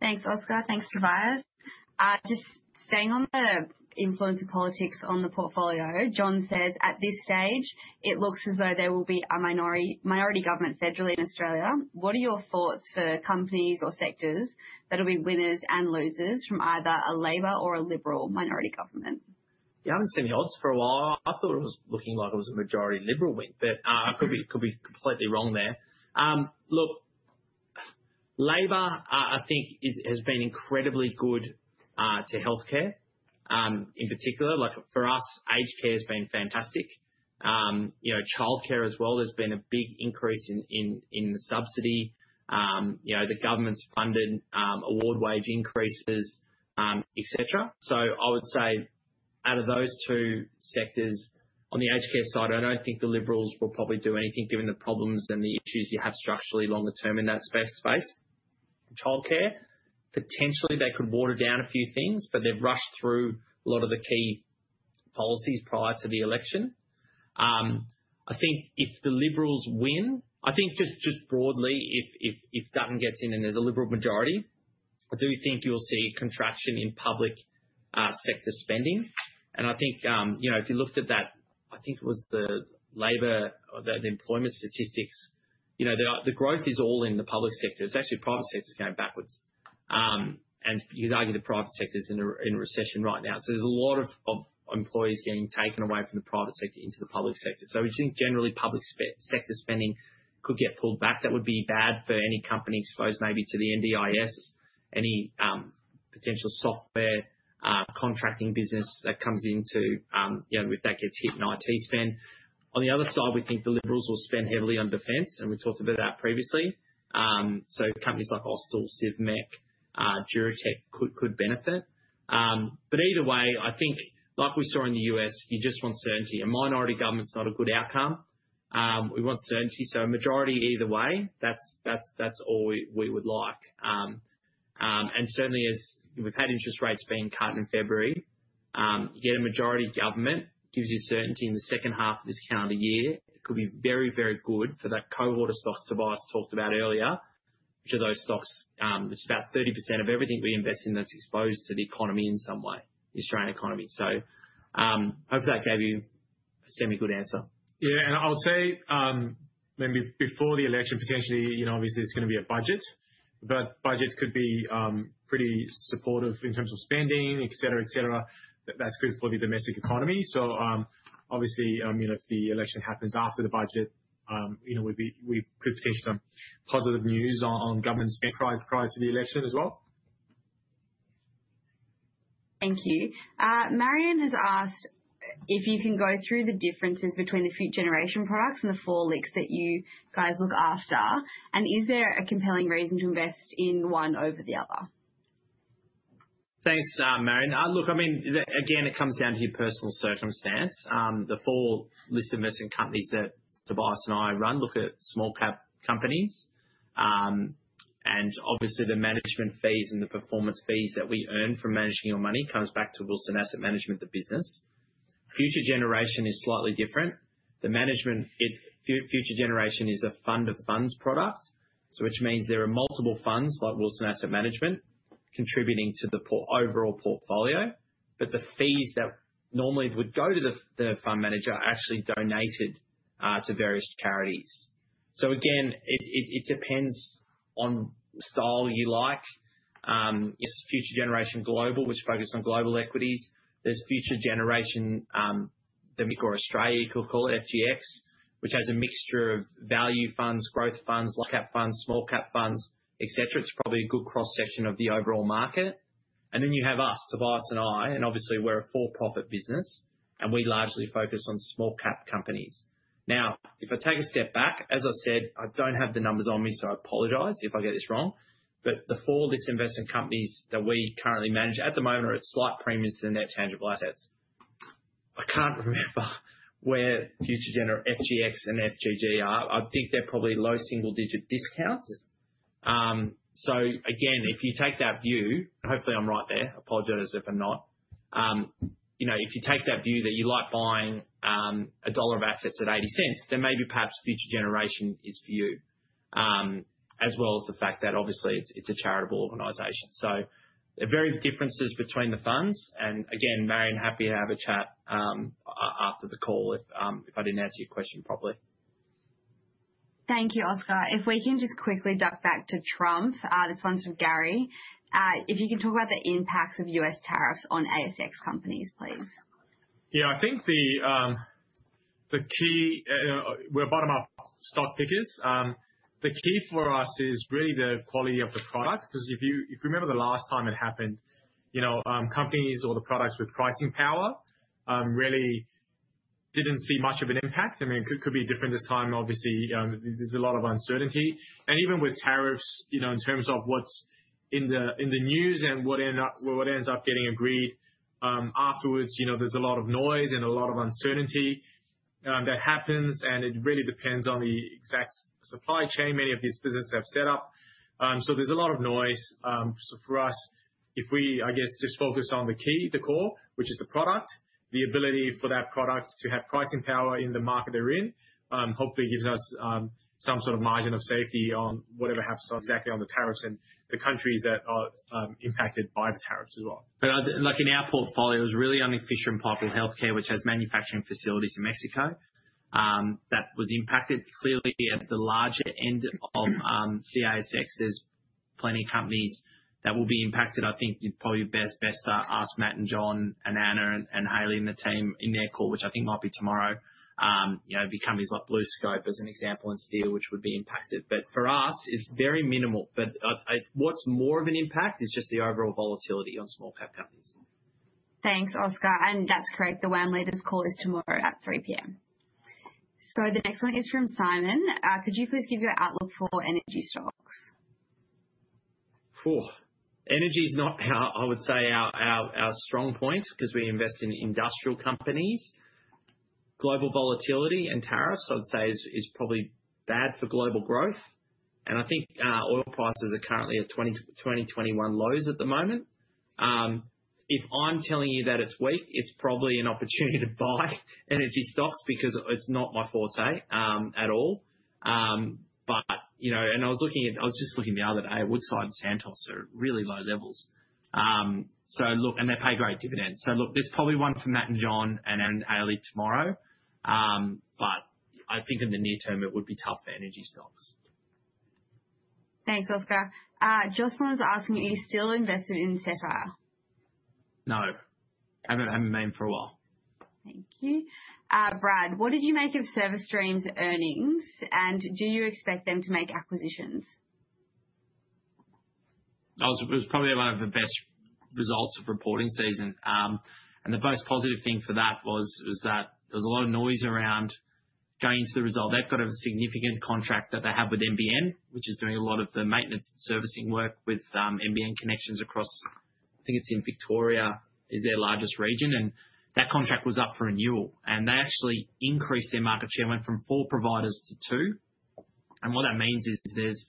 Thanks, Oscar. Thanks, Tobias. Just staying on the influence of politics on the portfolio, John says, "At this stage, it looks as though there will be a minority government federally in Australia. What are your thoughts for companies or sectors that will be winners and losers from either a Labour or a Liberal minority government? Yeah, I haven't seen the odds for a while. I thought it was looking like it was a majority Liberal win, but I could be completely wrong there. Look, Labour, I think, has been incredibly good to healthcare in particular. For us, aged care has been fantastic. Childcare as well, there's been a big increase in the subsidy, the government's funded award wage increases, etc. I would say out of those two sectors, on the aged care side, I don't think the Liberals will probably do anything given the problems and the issues you have structurally longer term in that space. Childcare, potentially they could water down a few things, but they've rushed through a lot of the key policies prior to the election. I think if the Liberals win, I think just broadly, if Dutton gets in and there's a Liberal majority, I do think you'll see contraction in public sector spending. I think if you looked at that, I think it was the Labor, the employment statistics, the growth is all in the public sector. It's actually private sector's going backwards. You could argue the private sector's in a recession right now. There's a lot of employees getting taken away from the private sector into the public sector. We think generally public sector spending could get pulled back. That would be bad for any company exposed maybe to the NDIS, any potential software contracting business that comes into if that gets hit in IT spend. On the other side, we think the Liberals will spend heavily on defense. We talked about that previously. Companies like Austal, SIVMEC, Durotech could benefit. Either way, I think like we saw in the U.S., you just want certainty. A minority government is not a good outcome. We want certainty. A majority either way, that's all we would like. Certainly, as we've had interest rates being cut in February, yet a majority government gives you certainty in the second half of this calendar year. It could be very, very good for that cohort of stocks Tobias talked about earlier, which are those stocks that are about 30% of everything we invest in that's exposed to the economy in some way, the Australian economy. Hopefully that gave you a semi-good answer. Yeah. I would say maybe before the election, potentially, obviously, there's going to be a budget. Budgets could be pretty supportive in terms of spending, etc., etc. That's good for the domestic economy. Obviously, if the election happens after the budget, we could potentially see some positive news on government spending prior to the election as well. Thank you. Marion has asked if you can go through the differences between the Future Generation products and the four LICs that you guys look after. Is there a compelling reason to invest in one over the other? Thanks, Marion. Look, I mean, again, it comes down to your personal circumstance. The four listed investment companies that Tobias and I run look at small-cap companies. Obviously, the management fees and the performance fees that we earn from managing your money come back to Wilson Asset Management, the business. Future Generation is slightly different. The management, Future Generation is a fund-of-funds product, which means there are multiple funds like Wilson Asset Management contributing to the overall portfolio. The fees that normally would go to the fund manager are actually donated to various charities. Again, it depends on the style you like. There is Future Generation Global, which focuses on global equities. There is Future Generation, or Australia, you could call it, FGX, which has a mixture of value funds, growth funds, low-cap funds, small-cap funds, etc. It is probably a good cross-section of the overall market. Then you have us, Tobias and I. Obviously, we're a for-profit business. We largely focus on small-cap companies. If I take a step back, as I said, I do not have the numbers on me, so I apologize if I get this wrong. The four listed investment companies that we currently manage at the moment are at slight premiums to the net tangible assets. I cannot remember where Future Generation, FGX, and FGG are. I think they are probably low single-digit discounts. Again, if you take that view, and hopefully I am right there. Apologize if I am not. If you take that view that you like buying a dollar of assets at 80 cents, then maybe perhaps Future Generation is for you, as well as the fact that obviously it is a charitable organization. There are very differences between the funds. Marion, happy to have a chat after the call if I did not answer your question properly. Thank you, Oscar. If we can just quickly duck back to Trump, this one's from Gary. If you can talk about the impacts of US tariffs on ASX companies, please. Yeah, I think the key, we're bottom-up stock pickers. The key for us is really the quality of the product. Because if you remember the last time it happened, companies or the products with pricing power really didn't see much of an impact. I mean, it could be different this time. Obviously, there's a lot of uncertainty. Even with tariffs, in terms of what's in the news and what ends up getting agreed afterwards, there's a lot of noise and a lot of uncertainty that happens. It really depends on the exact supply chain many of these businesses have set up. There's a lot of noise. For us, if we, I guess, just focus on the key, the core, which is the product, the ability for that product to have pricing power in the market they're in, hopefully gives us some sort of margin of safety on whatever happens exactly on the tariffs and the countries that are impacted by the tariffs as well. In our portfolio, it was really only Fisher & Paykel Healthcare, which has manufacturing facilities in Mexico, that was impacted. Clearly, at the larger end of the ASX, there are plenty of companies that will be impacted. I think you'd probably be best to ask Matt and John and Anna and Hayley and the team in their call, which I think might be tomorrow, the companies like BlueScope as an example and Steel, which would be impacted. For us, it is very minimal. What is more of an impact is just the overall volatility on small-cap companies. Thanks, Oscar. That is correct. The WAM Leaders' call is tomorrow at 3:00 P.M. The next one is from Simon. Could you please give your outlook for energy stocks? Energy is not, I would say, our strong point because we invest in industrial companies. Global volatility and tariffs, I'd say, is probably bad for global growth. I think oil prices are currently at 2021 lows at the moment. If I'm telling you that it's weak, it's probably an opportunity to buy energy stocks because it's not my forte at all. I was just looking the other day, Woodside and Santos are at really low levels. They pay great dividends. Look, there's probably one for Matt and John and Hayley tomorrow. I think in the near term, it would be tough for energy stocks. Thanks, Oscar. Jocelyn's asking, are you still invested in Cedar Woods? No. Haven't been for a while. Thank you. Brad, what did you make of ServiceStream's earnings? Do you expect them to make acquisitions? It was probably one of the best results of reporting season. The most positive thing for that was that there was a lot of noise around going into the result. They have got a significant contract that they have with NBN, which is doing a lot of the maintenance and servicing work with NBN Connections across, I think it is in Victoria, is their largest region. That contract was up for renewal. They actually increased their market share, went from four providers to two. What that means is there is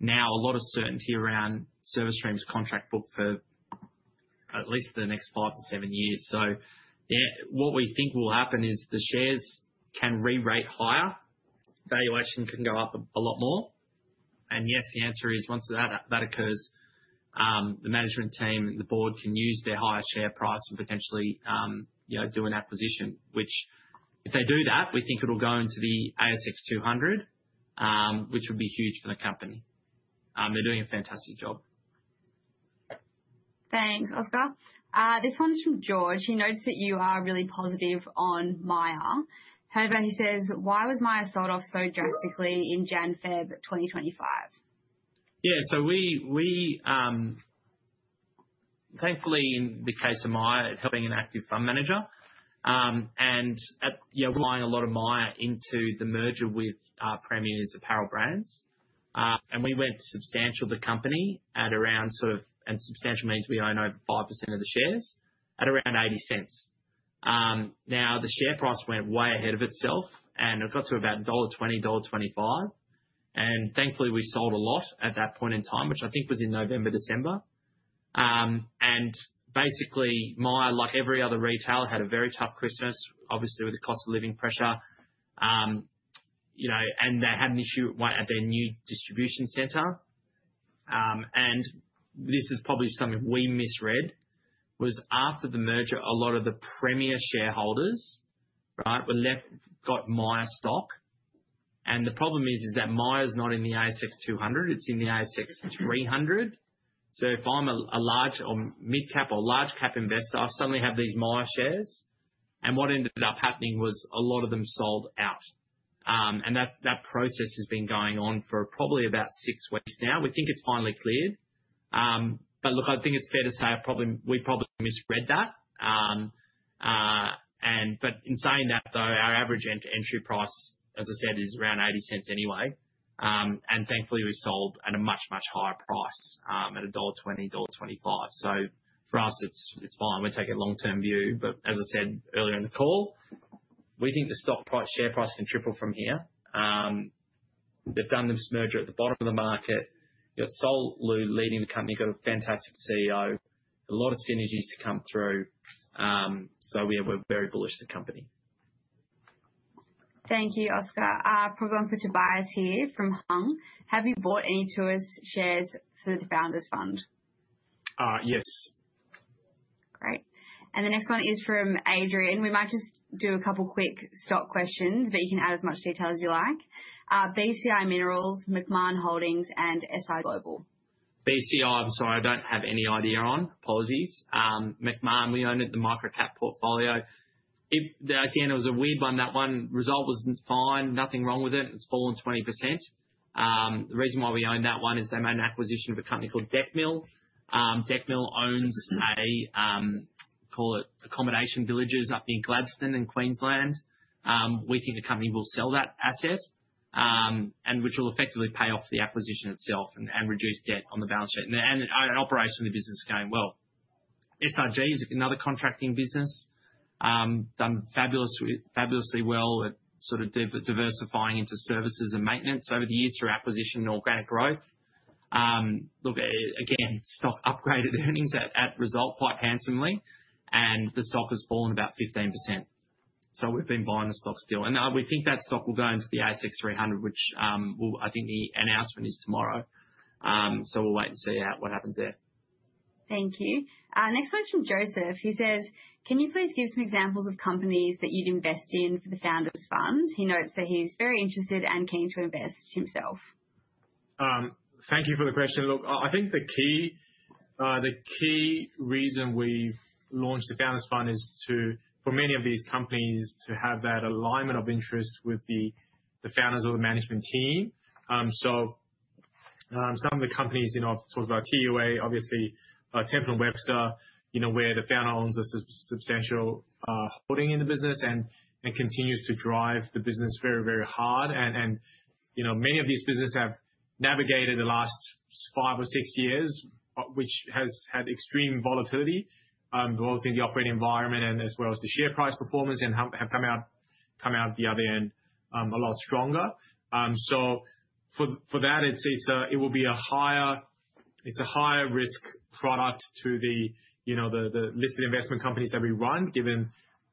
now a lot of certainty around ServiceStream's contract book for at least the next five to seven years. What we think will happen is the shares can re-rate higher, valuation can go up a lot more. Yes, the answer is once that occurs, the management team and the board can use their higher share price and potentially do an acquisition, which if they do that, we think it'll go into the ASX 200, which would be huge for the company. They're doing a fantastic job. Thanks, Oscar. This one is from George. He notes that you are really positive on MAIA. However, he says, "Why was MAIA sold off so drastically in January/February 2025? Yeah. Thankfully, in the case of Myer, it is helping an active fund manager. We are buying a lot of Myer into the merger with Premier's apparel brands. We went substantial to company at around, and substantial means we own over 5% of the shares, at around 0.80. The share price went way ahead of itself and it got to about 1.20-1.25 dollar. Thankfully, we sold a lot at that point in time, which I think was in November, December. Basically, Myer, like every other retailer, had a very tough Christmas, obviously with the cost of living pressure. They had an issue at their new distribution center. This is probably something we misread, was after the merger, a lot of the Premier shareholders got Myer stock. The problem is that Myer is not in the ASX 200. It's in the ASX 300. If I'm a large or mid-cap or large-cap investor, I suddenly have these MAIA shares. What ended up happening was a lot of them sold out. That process has been going on for probably about six weeks now. We think it's finally cleared. I think it's fair to say we probably misread that. In saying that, though, our average entry price, as I said, is around 0.80 anyway. Thankfully, we sold at a much, much higher price at 1.20 dollar, 1.25. For us, it's fine. We're taking a long-term view. As I said earlier in the call, we think the stock share price can triple from here. They've done this merger at the bottom of the market. You've got Sol Lee leading the company. You've got a fantastic CEO. A lot of synergies to come through. We're very bullish on the company. Thank you, Oscar. Probably going to put Tobias here from WAM. Have you bought any Tuas shares for the founders' fund? Yes. Great. The next one is from Adrian. We might just do a couple of quick stock questions, but you can add as much detail as you like. BCI Minerals, McMahon Holdings, and SI Global. BCI, I'm sorry, I don't have any idea on. Apologies. McMahon, we owned in the micro-cap portfolio. Again, it was a weird one. That one result was fine. Nothing wrong with it. It's fallen 20%. The reason why we owned that one is they made an acquisition of a company called Decmil. Decmil owns, call it, accommodation villages up near Gladstone in Queensland. We think the company will sell that asset, which will effectively pay off the acquisition itself and reduce debt on the balance sheet. Operationally the business is going well. SCEE is another contracting business. Done fabulously well at sort of diversifying into services and maintenance over the years through acquisition and organic growth. Look, again, stock upgraded earnings at result quite handsomely. The stock has fallen about 15%. We've been buying the stock still. We think that stock will go into the ASX 300, which I think the announcement is tomorrow. We will wait and see what happens there. Thank you. Next one is from Joseph. He says, "Can you please give some examples of companies that you'd invest in for the founders' fund?" He notes that he's very interested and keen to invest himself. Thank you for the question. Look, I think the key reason we've launched the founders' fund is for many of these companies to have that alignment of interest with the founders or the management team. Some of the companies I've talked about, TUA, obviously, Temple and Webster, where the founder owns a substantial holding in the business and continues to drive the business very, very hard. Many of these businesses have navigated the last five or six years, which has had extreme volatility, both in the operating environment and as well as the share price performance, and have come out the other end a lot stronger. For that, it will be a higher risk product to the listed investment companies that we run, given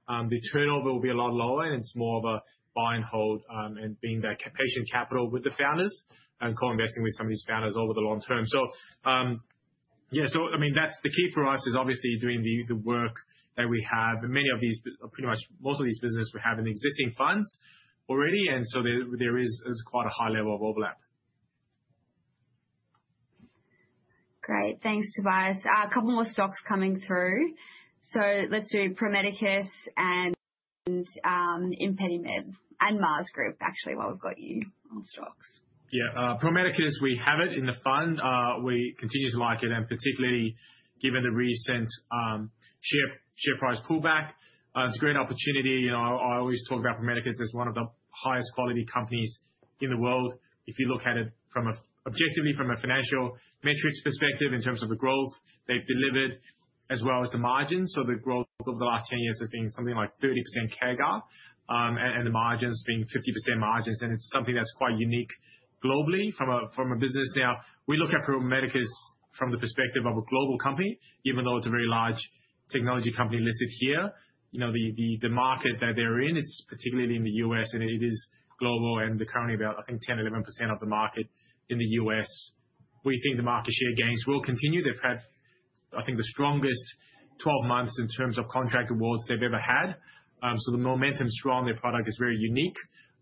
the turnover will be a lot lower. It is more of a buy and hold and being that patient capital with the founders and co-investing with some of these founders over the long term. I mean, that is the key for us is obviously doing the work that we have. Many of these, pretty much most of these businesses, we have in existing funds already. There is quite a high level of overlap. Great. Thanks, Tobias. A couple more stocks coming through. Let's do Pro Medicus and Impedimed and Mars Group, actually, while we've got you on stocks. Yeah. Pro Medicus, we have it in the fund. We continue to like it, and particularly given the recent share price pullback. It's a great opportunity. I always talk about Pro Medicus as one of the highest quality companies in the world. If you look at it objectively from a financial metrics perspective in terms of the growth they've delivered, as well as the margins. The growth over the last 10 years has been something like 30% CAGR and the margins being 50% margins. It's something that's quite unique globally from a business. Now, we look at Pro Medicus from the perspective of a global company, even though it's a very large technology company listed here. The market that they're in, it's particularly in the U.S., and it is global. They're currently about, I think, 10%, 11% of the market in the U.S. We think the market share gains will continue. They've had, I think, the strongest 12 months in terms of contract awards they've ever had. The momentum's strong. Their product is very unique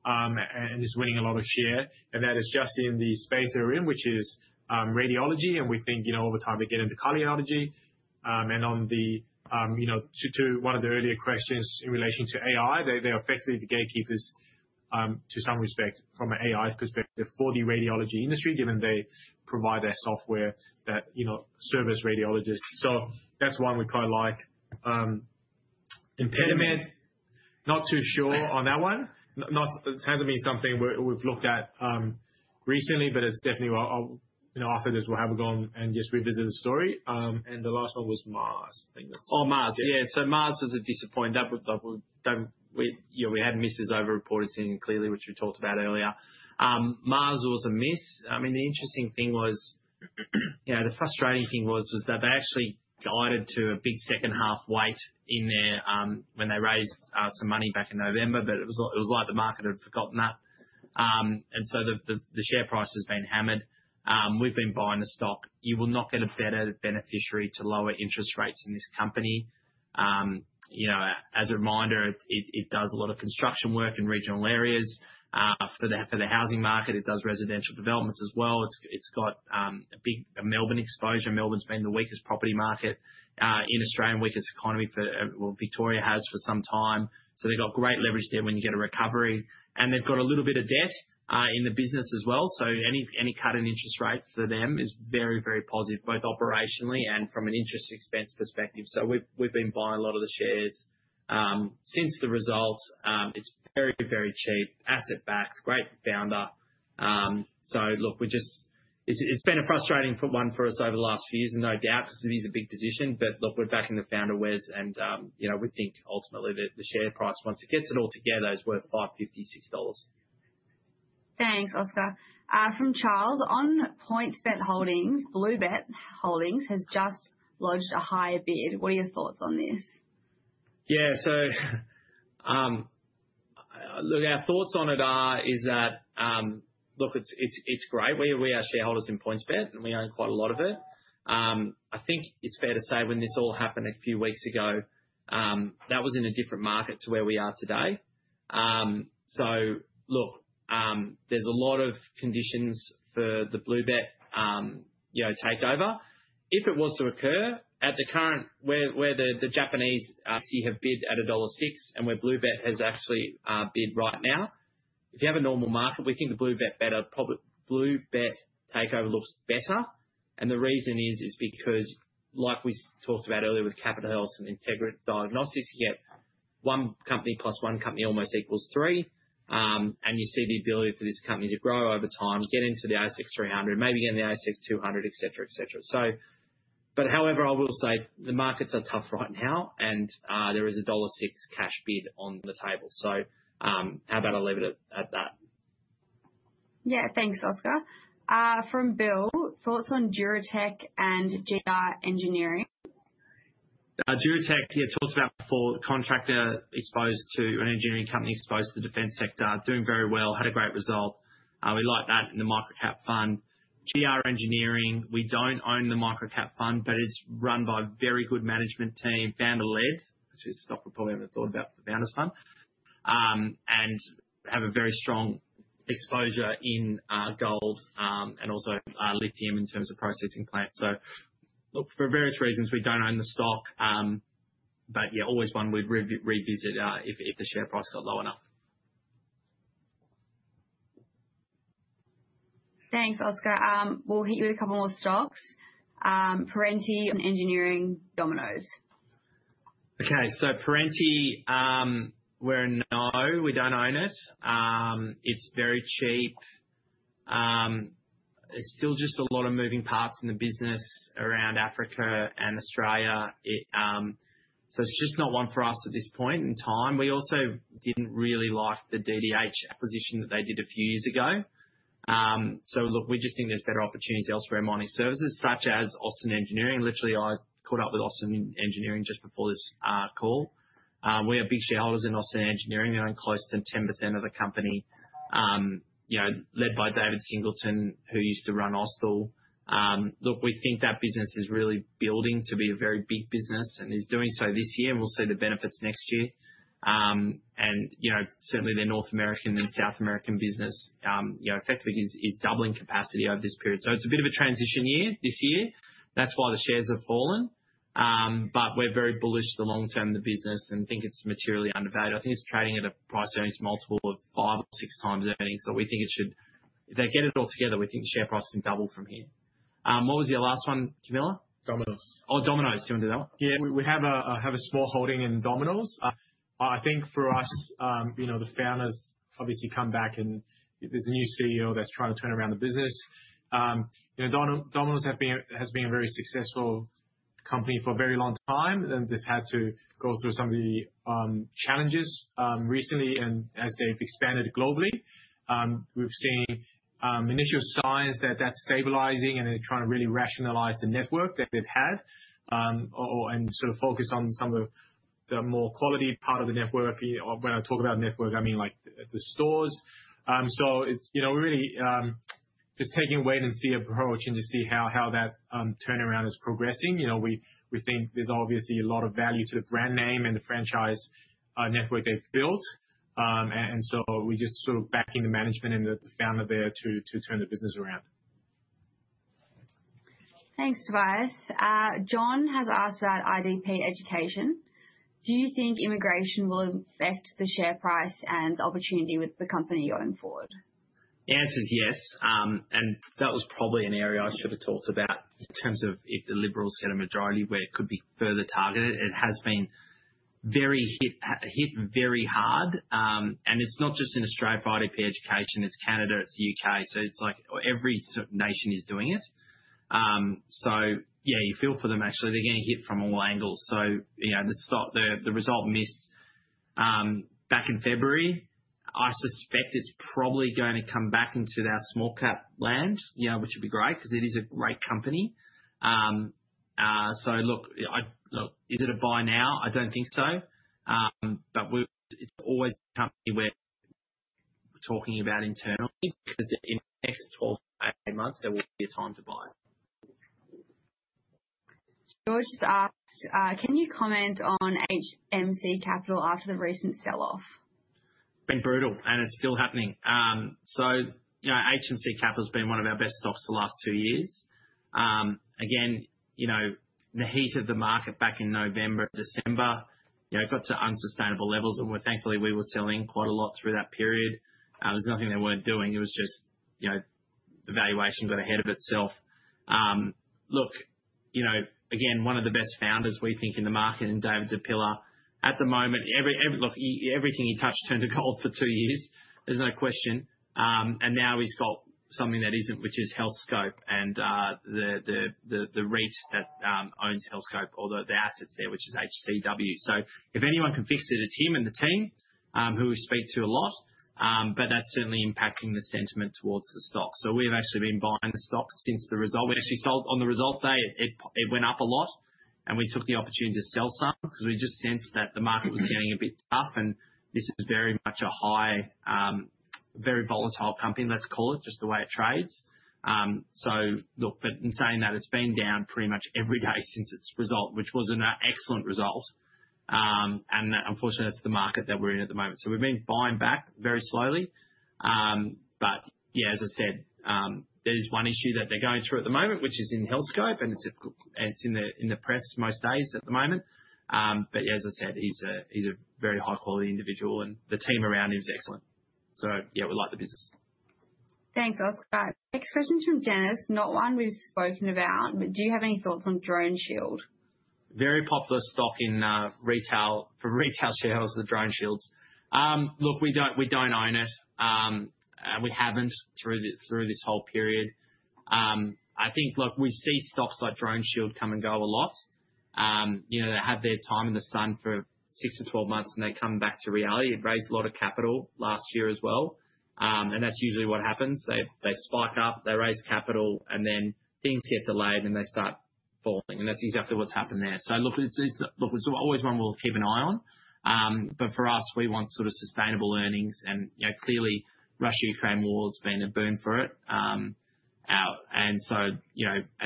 and is winning a lot of share. That is just in the space they're in, which is radiology. We think over time they get into cardiology. On to one of the earlier questions in relation to AI, they're effectively the gatekeepers to some respect from an AI perspective for the radiology industry, given they provide their software that serve as radiologists. That's one we quite like. Impediment, not too sure on that one. It sounds to me something we've looked at recently, but it's definitely after this, we'll have a go and just revisit the story. The last one was Mars, I think. Oh, Mars. Yeah. Mars was a disappointing. We had misses overreported clearly, which we talked about earlier. Mars was a miss. I mean, the interesting thing was, yeah, the frustrating thing was that they actually guided to a big second-half weight in there when they raised some money back in November, but it was like the market had forgotten that. The share price has been hammered. We've been buying the stock. You will not get a better beneficiary to lower interest rates in this company. As a reminder, it does a lot of construction work in regional areas for the housing market. It does residential developments as well. It has a big Melbourne exposure. Melbourne has been the weakest property market in Australia, weakest economy for Victoria has for some time. They have great leverage there when you get a recovery. They have a little bit of debt in the business as well. Any cut in interest rate for them is very, very positive, both operationally and from an interest expense perspective. We have been buying a lot of the shares since the result. It is very, very cheap, asset-backed, great founder. It has been a frustrating one for us over the last few years, no doubt, because it is a big position. We are back in the founder whiz. We think ultimately the share price, once it gets it all together, is worth 5.56 dollars. Thanks, Oscar. From Charles, on PointsBet Holdings, BlueBet Holdings has just lodged a high bid. What are your thoughts on this? Yeah. Look, our thoughts on it are that, look, it's great. We are shareholders in PointsBet, and we own quite a lot of it. I think it's fair to say when this all happened a few weeks ago, that was in a different market to where we are today. Look, there's a lot of conditions for the BlueBet takeover. If it was to occur at the current where the Japanese have bid at dollar 1.06 and where BlueBet has actually bid right now, if you have a normal market, we think the BlueBet takeover looks better. The reason is because, like we talked about earlier with Capital Health and Integral Diagnostics, you get one company plus one company almost equals three. You see the ability for this company to grow over time, get into the ASX 300, maybe get in the ASX 200, etc., etc. However, I will say the markets are tough right now, and there is an dollar 1.06 cash bid on the table. How about I leave it at that? Yeah. Thanks, Oscar. From Bill, thoughts on Durotech and GR Engineering? Durotech, yeah, talked about before, a contractor exposed to an engineering company exposed to the defense sector, doing very well, had a great result. We like that in the micro-cap fund. GR Engineering, we do not own in the micro-cap fund, but it is run by a very good management team, founder-led, which is a stock we probably have not thought about for the founders' fund, and have a very strong exposure in gold and also lithium in terms of processing plants. For various reasons, we do not own the stock. Yeah, always one we would revisit if the share price got low enough. Thanks, Oscar. We'll hit you with a couple more stocks. Parenti and Engineering Domino's. Okay. Parenti, we're a no. We don't own it. It's very cheap. There's still just a lot of moving parts in the business around Africa and Australia. It's just not one for us at this point in time. We also didn't really like the DDH acquisition that they did a few years ago. We just think there's better opportunities elsewhere in mining services, such as Austin Engineering. Literally, I caught up with Austin Engineering just before this call. We are big shareholders in Austin Engineering. We own close to 10% of the company, led by David Singleton, who used to run Austal. We think that business is really building to be a very big business and is doing so this year. We'll see the benefits next year. Certainly, the North American and South American business effectively is doubling capacity over this period. It is a bit of a transition year this year. That is why the shares have fallen. We are very bullish the long term of the business and think it is materially undervalued. I think it is trading at a price earnings multiple of five or six times earnings. We think it should, if they get it all together, we think the share price can double from here. What was your last one, Camilla? Dominoes. Oh, Domino's. Do you want to do that one? Yeah. We have a small holding in Domino's Pizza. I think for us, the founders obviously come back, and there's a new CEO that's trying to turn around the business. Domino's Pizza has been a very successful company for a very long time, and they've had to go through some of the challenges recently. As they've expanded globally, we've seen initial signs that that's stabilizing and they're trying to really rationalize the network that they've had and sort of focus on some of the more quality part of the network. When I talk about network, I mean like the stores. We are really just taking a wait-and-see approach and just see how that turnaround is progressing. We think there's obviously a lot of value to the brand name and the franchise network they've built. We're just sort of backing the management and the founder there to turn the business around. Thanks, Tobias. John has asked about IDP Education. Do you think immigration will affect the share price and the opportunity with the company going forward? The answer is yes. That was probably an area I should have talked about in terms of if the Liberals get a majority where it could be further targeted. It has been hit very hard. It's not just in Australia, for IDP Education. It's Canada. It's the U.K. It's like every nation is doing it. You feel for them, actually. They're getting hit from all angles. The result missed back in February. I suspect it's probably going to come back into our small-cap land, which would be great because it is a great company. Look, is it a buy now? I don't think so. It's always a company we're talking about internally because in the next 12-18 months, there will be a time to buy. George has asked, "Can you comment on HMC Capital after the recent sell-off? It's been brutal, and it's still happening. HMC Capital has been one of our best stocks the last two years. Again, in the heat of the market back in November and December, it got to unsustainable levels. Thankfully, we were selling quite a lot through that period. It was nothing they weren't doing. It was just the valuation got ahead of itself. Look, again, one of the best founders we think in the market in David Di Pilla. At the moment, look, everything he touched turned to gold for two years. There's no question. Now he's got something that isn't, which is Healthscope and the REIT that owns Healthscope, although the asset's there, which is HCW. If anyone can fix it, it's him and the team who we speak to a lot. That's certainly impacting the sentiment towards the stock. We have actually been buying the stock since the result. We actually sold on the result day. It went up a lot. We took the opportunity to sell some because we just sensed that the market was getting a bit tough. This is very much a high, very volatile company, let's call it, just the way it trades. In saying that, it's been down pretty much every day since its result, which was an excellent result. Unfortunately, that's the market that we're in at the moment. We have been buying back very slowly. As I said, there is one issue that they're going through at the moment, which is in Healthscope. It's in the press most days at the moment. As I said, he is a very high-quality individual. The team around him is excellent. Yeah, we like the business. Thanks, Oscar. Next question's from Dennis. Not one we've spoken about. Do you have any thoughts on DroneShield? Very popular stock for retail shareholders, the DroneShields. Look, we do not own it. We have not through this whole period. I think, look, we see stocks like DroneShield come and go a lot. They have their time in the sun for 6-12 months, and they come back to reality. It raised a lot of capital last year as well. That is usually what happens. They spike up, they raise capital, and then things get delayed, and they start falling. That is exactly what has happened there. Look, it is always one we will keep an eye on. For us, we want sort of sustainable earnings. Clearly, Russia-Ukraine war has been a boon for it. At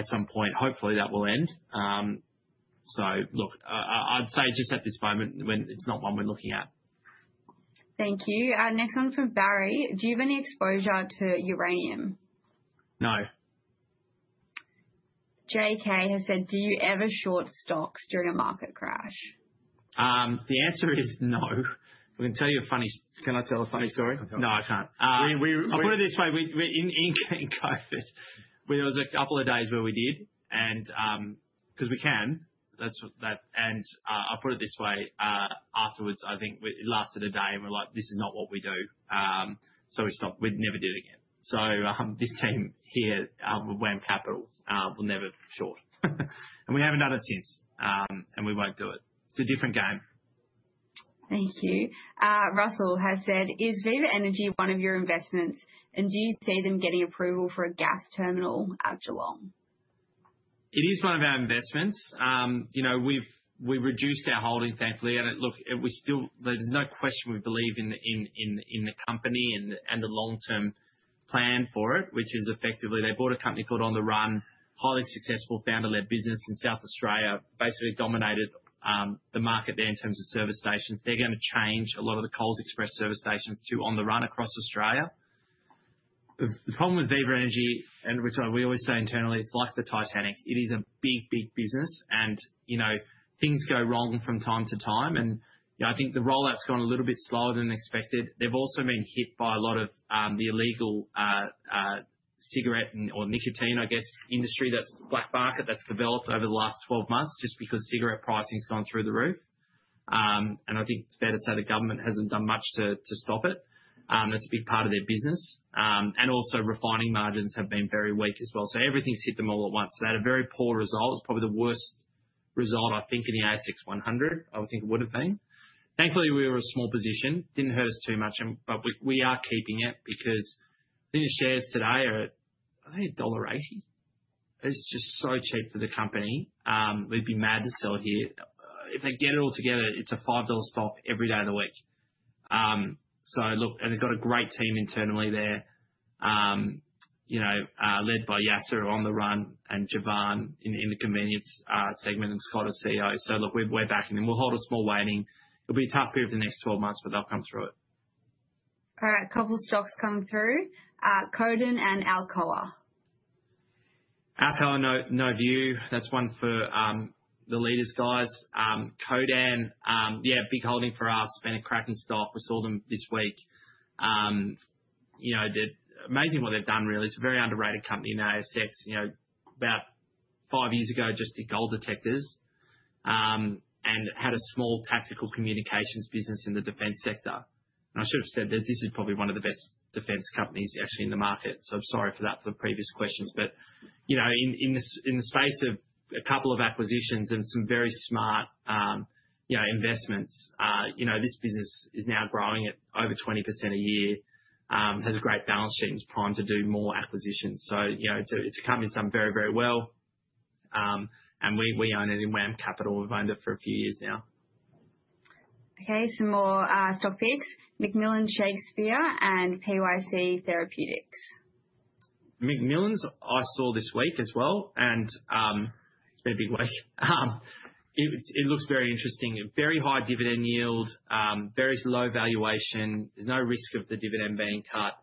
some point, hopefully, that will end. I would say just at this moment, it is not one we are looking at. Thank you. Next one from Barry. Do you have any exposure to uranium? No. JK has said, "Do you ever short stocks during a market crash? The answer is no. I can tell you a funny—can I tell a funny story? No, I can't. I'll put it this way. In COVID, there was a couple of days where we did because we can. I'll put it this way. Afterwards, I think it lasted a day, and we're like, "This is not what we do." We stopped. We never did it again. This team here with WAM Capital will never short. We haven't done it since. We won't do it. It's a different game. Thank you. Russell has said, "Is Viva Energy one of your investments? And do you see them getting approval for a gas terminal at Geelong? It is one of our investments. We reduced our holding, thankfully. Look, there's no question we believe in the company and the long-term plan for it, which is effectively they bought a company called On the Run, highly successful founder-led business in South Australia, basically dominated the market there in terms of service stations. They're going to change a lot of the Coles Express service stations to On the Run across Australia. The problem with Viva Energy, which we always say internally, it's like the Titanic. It is a big, big business. Things go wrong from time to time. I think the rollout's gone a little bit slower than expected. They've also been hit by a lot of the illegal cigarette or nicotine, I guess, industry. That's the black market that's developed over the last 12 months just because cigarette pricing's gone through the roof. I think it's fair to say the government hasn't done much to stop it. That's a big part of their business. Also, refining margins have been very weak as well. Everything's hit them all at once. They had a very poor result. It's probably the worst result, I think, in the ASX 100. I would think it would have been. Thankfully, we were a small position. Didn't hurt us too much. We are keeping it because I think the shares today are at, I think, dollar 1.80. It's just so cheap for the company. We'd be mad to sell it here. If they get it all together, it's a 5 dollar stock every day of the week. Look, they've got a great team internally there, led by Yasser On the Run and Javan in the convenience segment, and Scott as CEO. We're backing them. We'll hold a small weighting. It'll be a tough period for the next 12 months, but they'll come through it. All right. A couple of stocks come through. Codan and Alcoa. Alcoa, no view. That's one for the leaders, guys. Codan, yeah, big holding for us. Been a cracking stock. We saw them this week. Amazing what they've done, really. It's a very underrated company in the ASX. About five years ago, just to gold detectors and had a small tactical communications business in the defense sector. I should have said that this is probably one of the best defense companies, actually, in the market. I am sorry for that for the previous questions. In the space of a couple of acquisitions and some very smart investments, this business is now growing at over 20% a year, has a great balance sheet, and is primed to do more acquisitions. It's accomplished something very, very well. We own it in WAM Capital. We've owned it for a few years now. Okay. Some more stock picks. McMillan Shakespeare and PYC Therapeutics. McMillan's, I saw this week as well. It's been a big week. It looks very interesting. Very high dividend yield, very low valuation. There's no risk of the dividend being cut.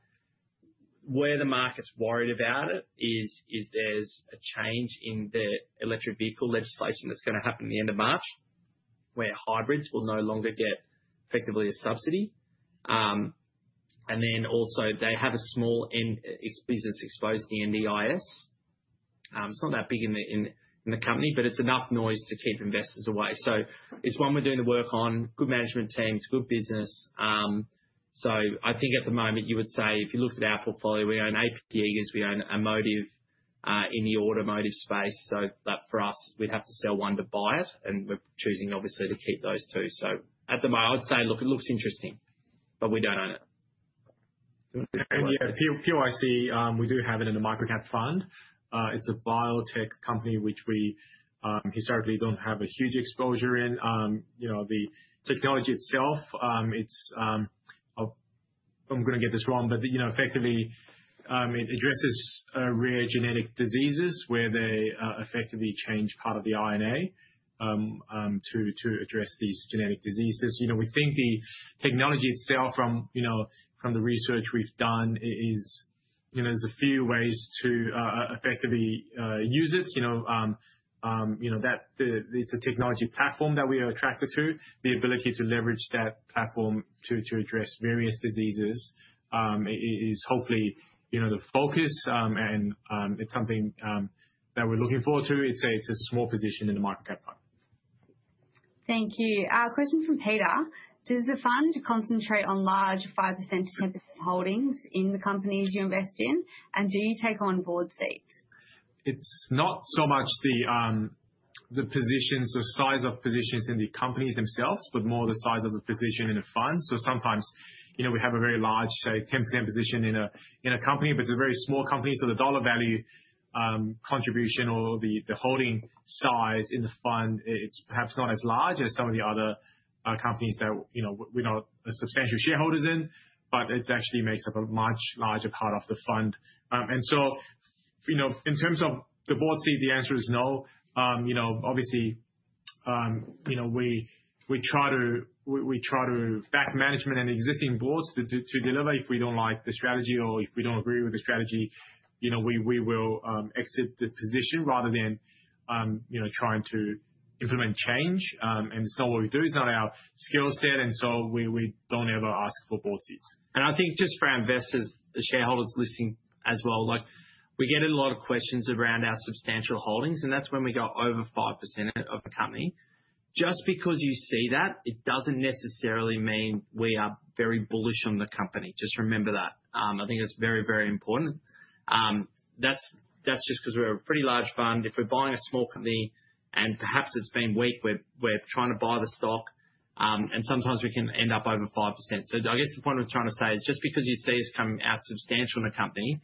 Where the market's worried about it is there's a change in the electric vehicle legislation that's going to happen at the end of March, where hybrids will no longer get effectively a subsidy. Also, they have a small business exposed to the NDIS. It's not that big in the company, but it's enough noise to keep investors away. It's one we're doing the work on. Good management teams, good business. I think at the moment, you would say, if you looked at our portfolio, we own Appen. We own Aegis Automotive in the automotive space. For us, we'd have to sell one to buy it. We're choosing, obviously, to keep those two. At the moment, I would say, look, it looks interesting, but we don't own it. Yeah, PYC, we do have it in a microcap fund. It's a biotech company, which we historically don't have a huge exposure in. The technology itself, I'm going to get this wrong, but effectively, it addresses rare genetic diseases where they effectively change part of the RNA to address these genetic diseases. We think the technology itself, from the research we've done, is there's a few ways to effectively use it. It's a technology platform that we are attracted to. The ability to leverage that platform to address various diseases is hopefully the focus. It's something that we're looking forward to. It's a small position in the microcap fund. Thank you. Question from Peter. Does the fund concentrate on large 5%-10% holdings in the companies you invest in? And do you take on board seats? It's not so much the positions or size of positions in the companies themselves, but more the size of the position in a fund. Sometimes we have a very large, say, 10% position in a company, but it's a very small company. The dollar value contribution or the holding size in the fund, it's perhaps not as large as some of the other companies that we're not substantial shareholders in. It actually makes up a much larger part of the fund. In terms of the board seat, the answer is no. Obviously, we try to back management and existing boards to deliver. If we don't like the strategy or if we don't agree with the strategy, we will exit the position rather than trying to implement change. It's not what we do. It's not our skill set. We do not ever ask for board seats. I think just for investors, the shareholders listening as well, we get a lot of questions around our substantial holdings. That is when we go over 5% of a company. Just because you see that, it does not necessarily mean we are very bullish on the company. Just remember that. I think that is very, very important. That is just because we are a pretty large fund. If we are buying a small company and perhaps it has been weak, we are trying to buy the stock. Sometimes we can end up over 5%. I guess the point I am trying to say is just because you see us coming out substantial in a company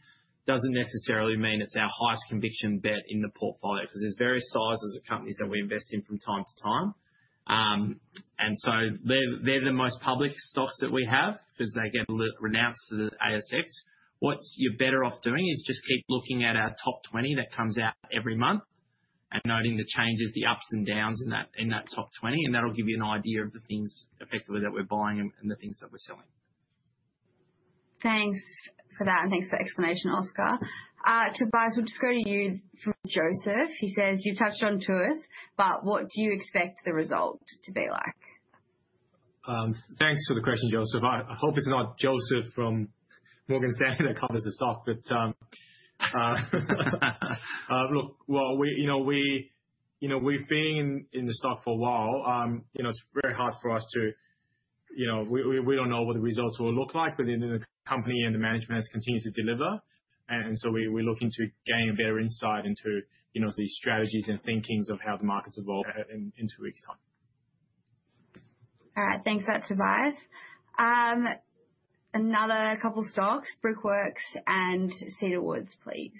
does not necessarily mean it is our highest conviction bet in the portfolio because there are various sizes of companies that we invest in from time to time. They're the most public stocks that we have because they get renounced to the ASX. What you're better off doing is just keep looking at our top 20 that comes out every month and noting the changes, the ups and downs in that top 20. That'll give you an idea of the things effectively that we're buying and the things that we're selling. Thanks for that. Thanks for the explanation, Oscar. Tobias, we'll just go to you from Joseph. He says, "You've touched on Tuas, but what do you expect the result to be like? Thanks for the question, Joseph. I hope it's not Joseph from Morgan Stanley that covers the stock. Look, we've been in the stock for a while. It's very hard for us to, we don't know what the results will look like. The company and the management has continued to deliver. We're looking to gain a better insight into the strategies and thinkings of how the markets evolve in two weeks' time. All right. Thanks for that, Tobias. Another couple of stocks, Brookfield and Cedar Woods, please.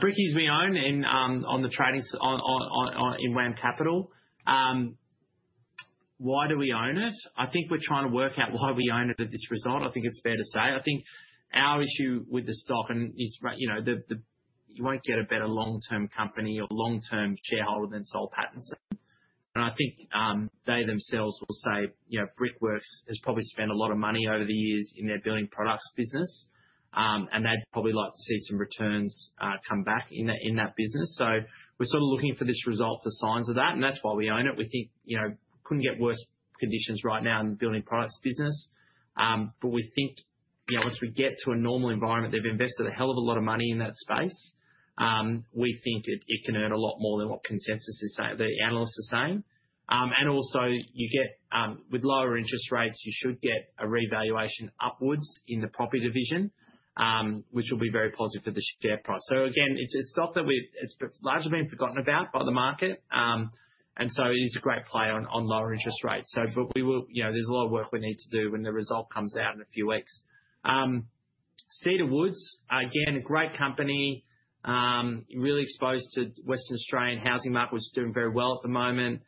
Brookfield we own on the trading in WAM Capital. Why do we own it? I think we're trying to work out why we own it at this result. I think it's fair to say. I think our issue with the stock is you won't get a better long-term company or long-term shareholder than Saul Kagan. I think they themselves will say Brookfield has probably spent a lot of money over the years in their building products business. They'd probably like to see some returns come back in that business. We're sort of looking for this result for signs of that. That's why we own it. We think we couldn't get worse conditions right now in the building products business. We think once we get to a normal environment, they've invested a hell of a lot of money in that space. We think it can earn a lot more than what consensus is saying, the analysts are saying. Also, with lower interest rates, you should get a revaluation upwards in the property division, which will be very positive for the share price. Again, it's a stock that's largely been forgotten about by the market. It is a great play on lower interest rates. There's a lot of work we need to do when the result comes out in a few weeks. Cedar Woods, again, a great company, really exposed to the Western Australian housing market, which is doing very well at the moment.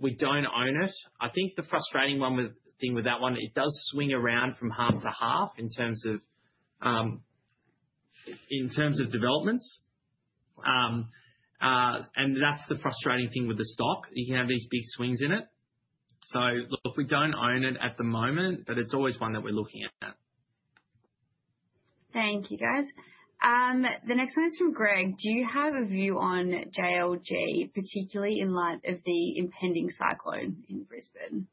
We don't own it. I think the frustrating thing with that one, it does swing around from half to half in terms of developments. That's the frustrating thing with the stock. You can have these big swings in it. We don't own it at the moment, but it's always one that we're looking at. Thank you, guys. The next one is from Greg. Do you have a view on JLG, particularly in light of the impending cyclone in Brisbane?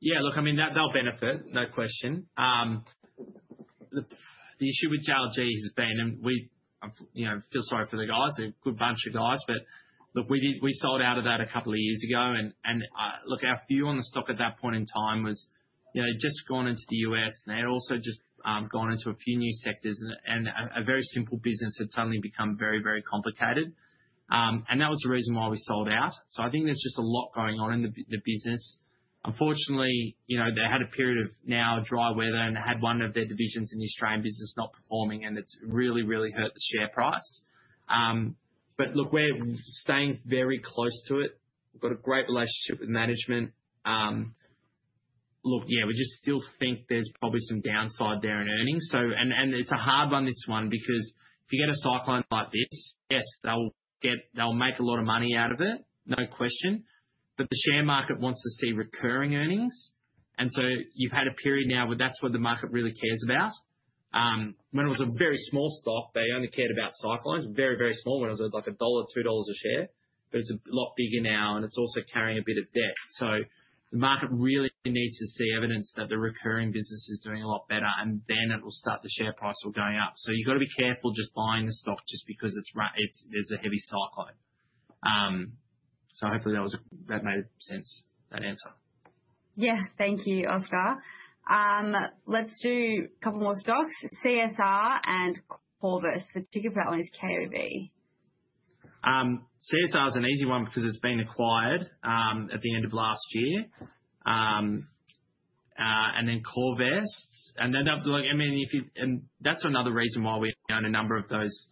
Yeah. Look, I mean, they'll benefit, no question. The issue with JLG has been—and I feel sorry for the guys, a good bunch of guys—but look, we sold out of that a couple of years ago. I mean, our view on the stock at that point in time was just gone into the U.S., and they had also just gone into a few new sectors. A very simple business had suddenly become very, very complicated. That was the reason why we sold out. I think there's just a lot going on in the business. Unfortunately, they had a period of now dry weather, and they had one of their divisions in the Australian business not performing. It's really, really hurt the share price. Look, we're staying very close to it. We've got a great relationship with management. Look, yeah, we just still think there's probably some downside there in earnings. It's a hard one this one because if you get a cyclone like this, yes, they'll make a lot of money out of it, no question. The share market wants to see recurring earnings. You've had a period now where that's what the market really cares about. When it was a very small stock, they only cared about cyclones, very, very small, when it was like AUD 1, 2 dollars a share. It's a lot bigger now, and it's also carrying a bit of debt. The market really needs to see evidence that the recurring business is doing a lot better, and then it will start, the share price will go up. You've got to be careful just buying the stock just because there's a heavy cyclone. Hopefully, that made sense, that answer. Yeah. Thank you, Oscar. Let's do a couple more stocks. CSR and Corvus. The ticker for that one is KOV. CSR is an easy one because it's been acquired at the end of last year. I mean, that's another reason why we own a number of those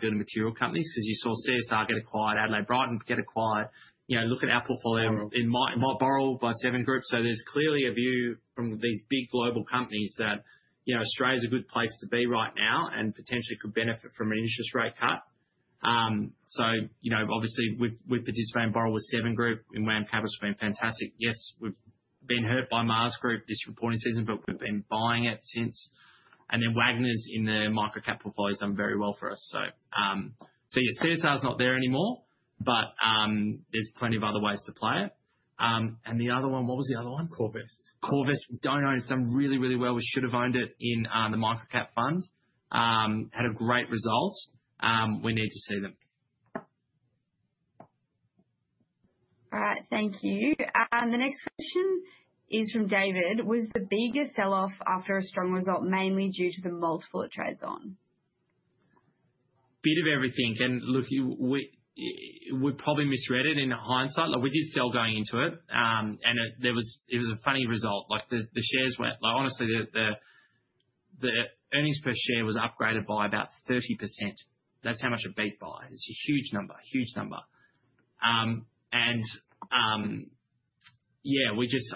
building material companies because you saw CSR get acquired, Adbri get acquired. Look at our portfolio in Borrow by Seven Group. There's clearly a view from these big global companies that Australia is a good place to be right now and potentially could benefit from an interest rate cut. Obviously, we've participated in Borrow with Seven Group. WAM Capital's been fantastic. Yes, we've been hurt by Mars Group this reporting season, but we've been buying it since. Wagoners in the microcap portfolio has done very well for us. CSR is not there anymore, but there's plenty of other ways to play it. The other one, what was the other one? Corvus. Corvus. We do not own it. It has done really, really well. We should have owned it in the microcap fund. Had a great result. We need to see them. All right. Thank you. The next question is from David. Was the bigger sell-off after a strong result mainly due to the multiple it trades on? Bit of everything. Look, we probably misread it in hindsight. We did sell going into it. It was a funny result. The shares went, honestly, the earnings per share was upgraded by about 30%. That's how much a beat by is. Huge number, huge number.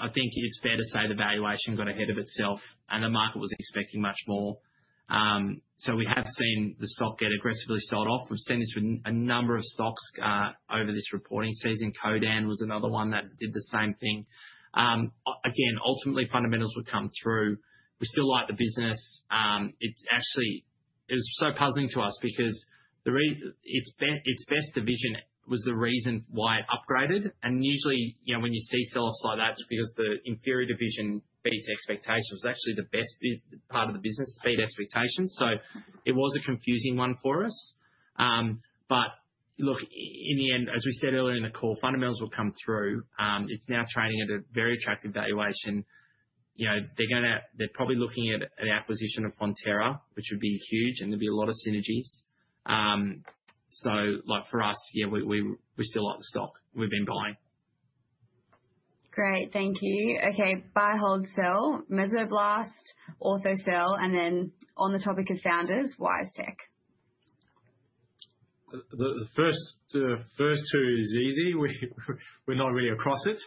I think it's fair to say the valuation got ahead of itself, and the market was expecting much more. We have seen the stock get aggressively sold off. We've seen this with a number of stocks over this reporting season. Codan was another one that did the same thing. Again, ultimately, fundamentals would come through. We still like the business. It was so puzzling to us because its best division was the reason why it upgraded. Usually, when you see sell-offs like that, it's because the inferior division beats expectations. It's actually the best part of the business, beat expectations. It was a confusing one for us. Look, in the end, as we said earlier in the call, fundamentals will come through. It's now trading at a very attractive valuation. They're probably looking at an acquisition of Fonterra, which would be huge. There would be a lot of synergies. For us, yeah, we still like the stock. We've been buying. Great. Thank you. Okay. Buy hold sell. Mesoblast, auto sell. And then on the topic of founders, WiseTech. The first two is easy. We're not really across it.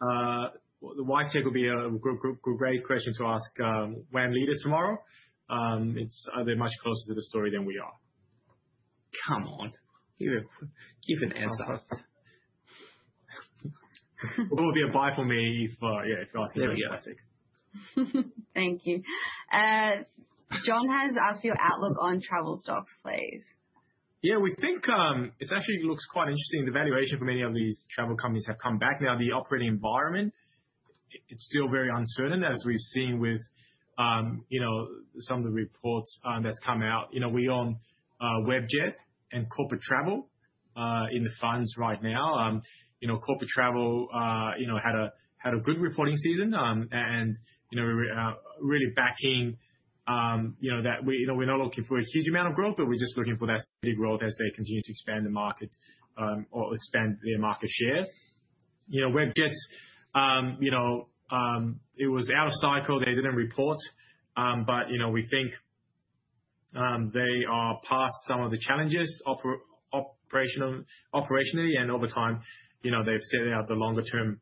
The WiseTech will be a great question to ask WAM Leaders tomorrow. They're much closer to the story than we are. Come on. Give an answer. It would be a buy for me if you're asking WiseTech. Thank you. John has asked for your outlook on travel stocks, please. Yeah. We think it actually looks quite interesting. The valuation for many of these travel companies have come back. Now, the operating environment, it's still very uncertain, as we've seen with some of the reports that's come out. We own Webjet and Corporate Travel in the funds right now. Corporate Travel had a good reporting season and really backing that we're not looking for a huge amount of growth, but we're just looking for that steady growth as they continue to expand the market or expand their market share. Webjet, it was out of cycle. They didn't report. We think they are past some of the challenges operationally. Over time, they've set out the longer-term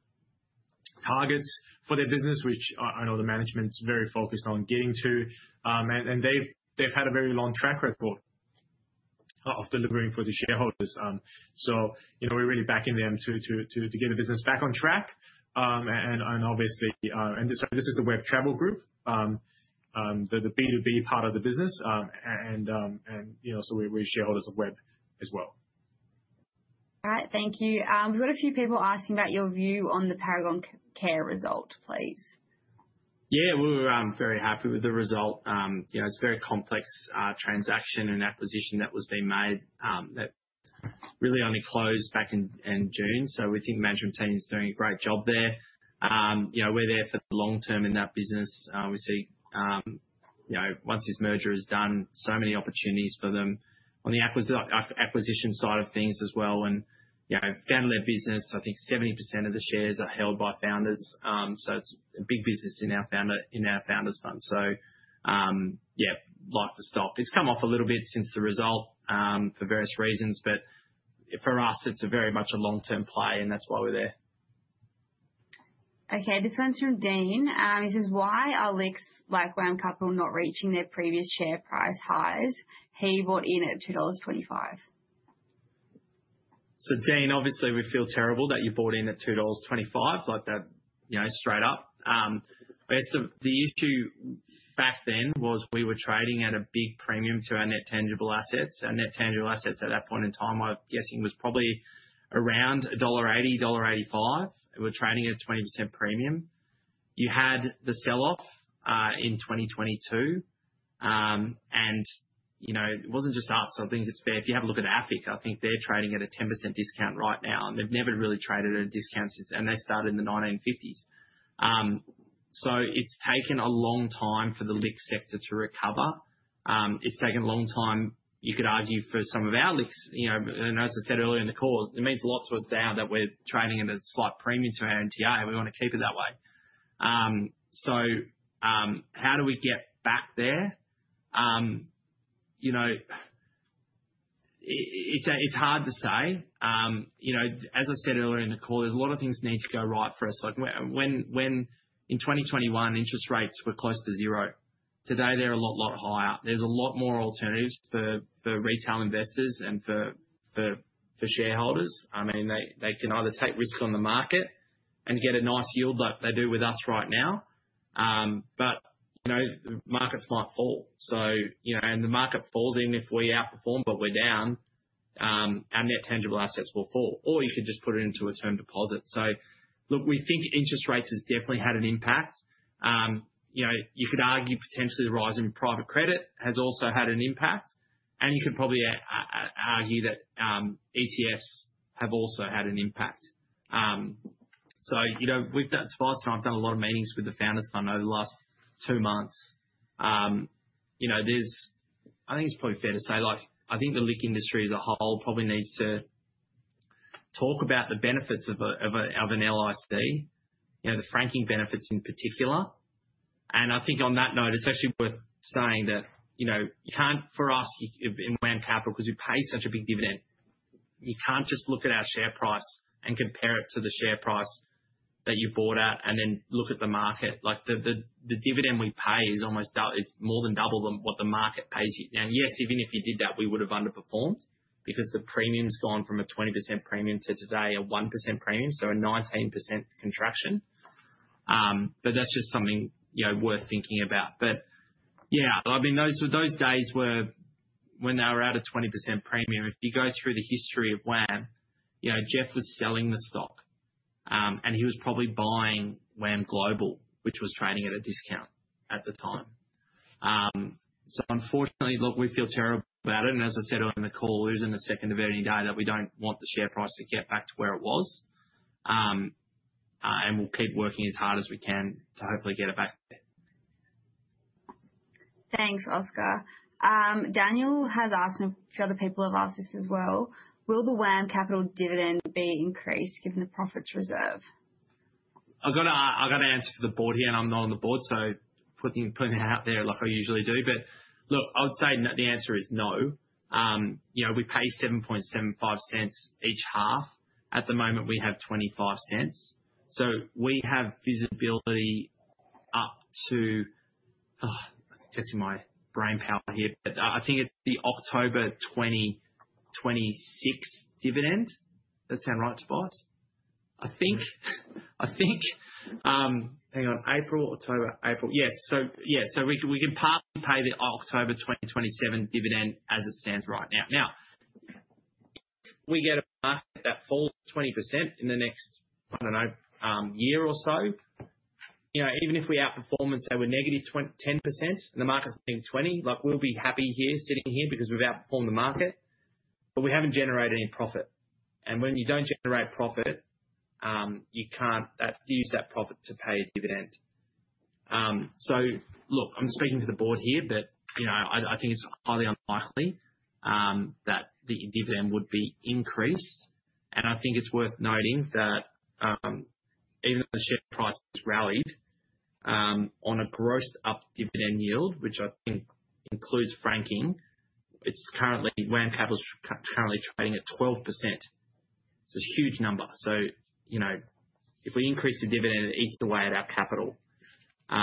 targets for their business, which I know the management's very focused on getting to. They've had a very long track record of delivering for the shareholders. We're really backing them to get the business back on track. Obviously, this is the Webjet Travel Group, the B2B part of the business. We're shareholders of Webjet as well. All right. Thank you. We've got a few people asking about your view on the Paragon Care result, please. Yeah. We're very happy with the result. It's a very complex transaction and acquisition that was being made that really only closed back in June. We think the management team is doing a great job there. We're there for the long term in that business. We see once this merger is done, so many opportunities for them on the acquisition side of things as well. Founder-led business, I think 70% of the shares are held by founders. It's a big business in our founders' fund. Yeah, like the stock, it's come off a little bit since the result for various reasons. For us, it's very much a long-term play, and that's why we're there. Okay. This one's from Dean. This is why are LICs like WAM Capital not reaching their previous share price highs? He bought in at 2.25 dollars. Dean, obviously, we feel terrible that you bought in at 2.25 dollars straight up. The issue back then was we were trading at a big premium to our net tangible assets. And net tangible assets at that point in time, I'm guessing, was probably around dollar 1.80, 1.85 dollar. We were trading at a 20% premium. You had the sell-off in 2022. It wasn't just us. I think it's fair if you have a look at AFIC. I think they're trading at a 10% discount right now. They've never really traded at a discount since they started in the 1950s. It's taken a long time for the LICs sector to recover. It's taken a long time, you could argue, for some of our LICs. As I said earlier in the call, it means lots of us now that we're trading at a slight premium to our NTA. We want to keep it that way. How do we get back there? It's hard to say. As I said earlier in the call, there's a lot of things that need to go right for us. In 2021, interest rates were close to zero. Today, they're a lot, lot higher. There's a lot more alternatives for retail investors and for shareholders. I mean, they can either take risk on the market and get a nice yield like they do with us right now. The markets might fall. The market falls even if we outperform, but we're down, our net tangible assets will fall. You could just put it into a term deposit. We think interest rates have definitely had an impact. You could argue potentially the rise in private credit has also had an impact. You could probably argue that ETFs have also had an impact. We've done twice, and I've done a lot of meetings with the founders' fund over the last two months. I think it's probably fair to say I think the LICs industry as a whole probably needs to talk about the benefits of an LIC, the franking benefits in particular. I think on that note, it's actually worth saying that for us in WAM Capital, because we pay such a big dividend, you can't just look at our share price and compare it to the share price that you bought at and then look at the market. The dividend we pay is more than double than what the market pays you. Yes, even if you did that, we would have underperformed because the premium's gone from a 20% premium to today a 1% premium, so a 19% contraction. That's just something worth thinking about. Yeah, I mean, those days were when they were at a 20% premium. If you go through the history of WAM, Geoff was selling the stock, and he was probably buying WAM Global, which was trading at a discount at the time. Unfortunately, look, we feel terrible about it. As I said earlier in the call, losing a second of earning a day that we don't want the share price to get back to where it was. We'll keep working as hard as we can to hopefully get it back there. Thanks, Oscar. Daniel has asked, and a few other people have asked this as well. Will the WAM Capital dividend be increased given the profits reserve? I've got to answer for the board here, and I'm not on the board, so putting it out there like I usually do. Look, I would say the answer is no. We pay 0.0775 each half. At the moment, we have 0.25. We have visibility up to, I'm testing my brain power here, but I think it's the October 2026 dividend. Does that sound right to buyers? I think. Hang on. April, October, April. Yes. We can partly pay the October 2027 dividend as it stands right now. If we get a market that falls 20% in the next, I don't know, year or so, even if we outperform and say we're negative 10% and the market's negative 20%, we'll be happy here sitting here because we've outperformed the market, but we haven't generated any profit. When you do not generate profit, you cannot use that profit to pay a dividend. Look, I am speaking to the board here, but I think it is highly unlikely that the dividend would be increased. I think it is worth noting that even though the share price has rallied on a grossed-up dividend yield, which I think includes franking, WAM Capital is currently trading at 12%. It is a huge number. If we increase the dividend, it eats away at our capital. The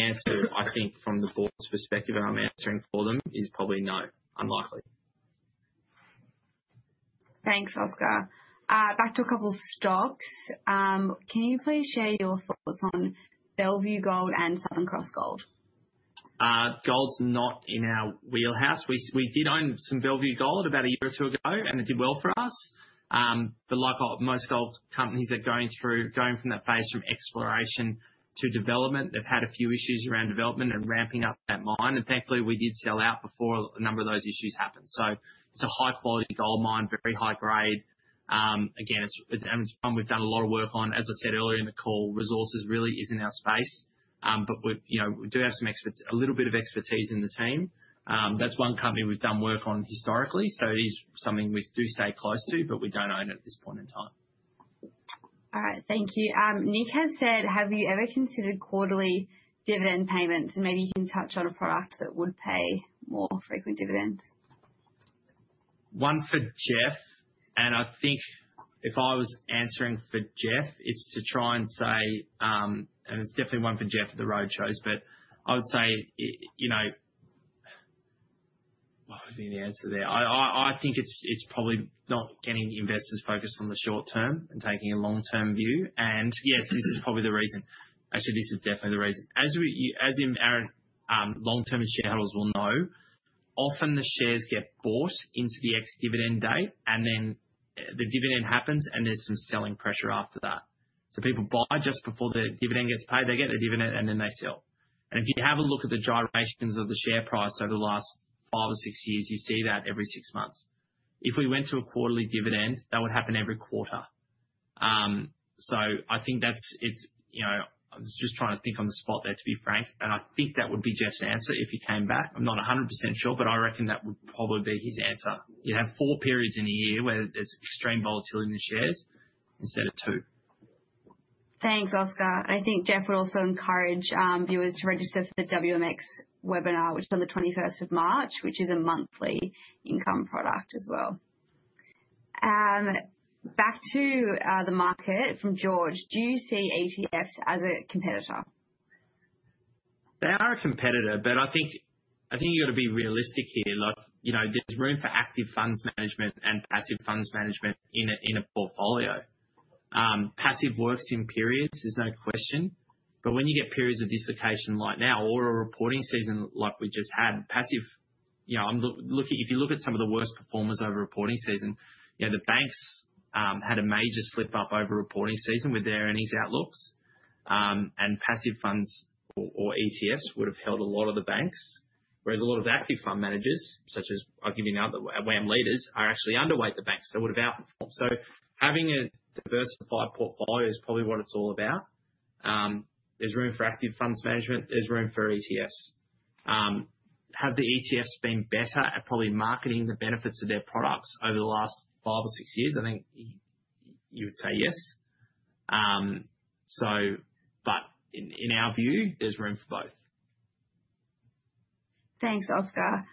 answer, I think, from the board's perspective, and I am answering for them, is probably no, unlikely. Thanks, Oscar. Back to a couple of stocks. Can you please share your thoughts on Bellevue Gold and Southern Cross Gold? Gold's not in our wheelhouse. We did own some Bellevue Gold about a year or two ago, and it did well for us. Like most gold companies that are going through, going from that phase from exploration to development, they've had a few issues around development and ramping up that mine. Thankfully, we did sell out before a number of those issues happened. It is a high-quality gold mine, very high grade. Again, it's a company we've done a lot of work on. As I said earlier in the call, resources really is in our space. We do have a little bit of expertise in the team. That's one company we've done work on historically. It is something we do stay close to, but we don't own it at this point in time. All right. Thank you. Nick has said, "Have you ever considered quarterly dividend payments?" Maybe you can touch on a product that would pay more frequent dividends. One for Jeff. I think if I was answering for Jeff, it's to try and say, and it's definitely one for Jeff at the roadshows, but I would say, what would be the answer there? I think it's probably not getting investors focused on the short term and taking a long-term view. Yes, this is probably the reason. Actually, this is definitely the reason. As long-term shareholders will know, often the shares get bought into the ex-dividend date, and then the dividend happens, and there's some selling pressure after that. People buy just before the dividend gets paid. They get the dividend, and then they sell. If you have a look at the gyrations of the share price over the last five or six years, you see that every six months. If we went to a quarterly dividend, that would happen every quarter. I think that's it. I'm just trying to think on the spot there, to be frank. I think that would be Geoff's answer if he came back. I'm not 100% sure, but I reckon that would probably be his answer. You'd have four periods in a year where there's extreme volatility in the shares instead of two. Thanks, Oscar. I think Jeff would also encourage viewers to register for the WMX webinar, which is on the 21st of March, which is a monthly income product as well. Back to the market from George, do you see ETFs as a competitor? They are a competitor, but I think you've got to be realistic here. There's room for active funds management and passive funds management in a portfolio. Passive works in periods, there's no question. When you get periods of dislocation like now or a reporting season like we just had, passive, if you look at some of the worst performers over reporting season, the banks had a major slip-up over reporting season with their earnings outlooks. Passive funds or ETFs would have held a lot of the banks, whereas a lot of active fund managers, such as I'll give you now, the WAM leaders, are actually underweight the banks. They would have outperformed. Having a diversified portfolio is probably what it's all about. There's room for active funds management. There's room for ETFs. Have the ETFs been better at probably marketing the benefits of their products over the last five or six years? I think you would say yes. In our view, there's room for both. Thanks, Oscar.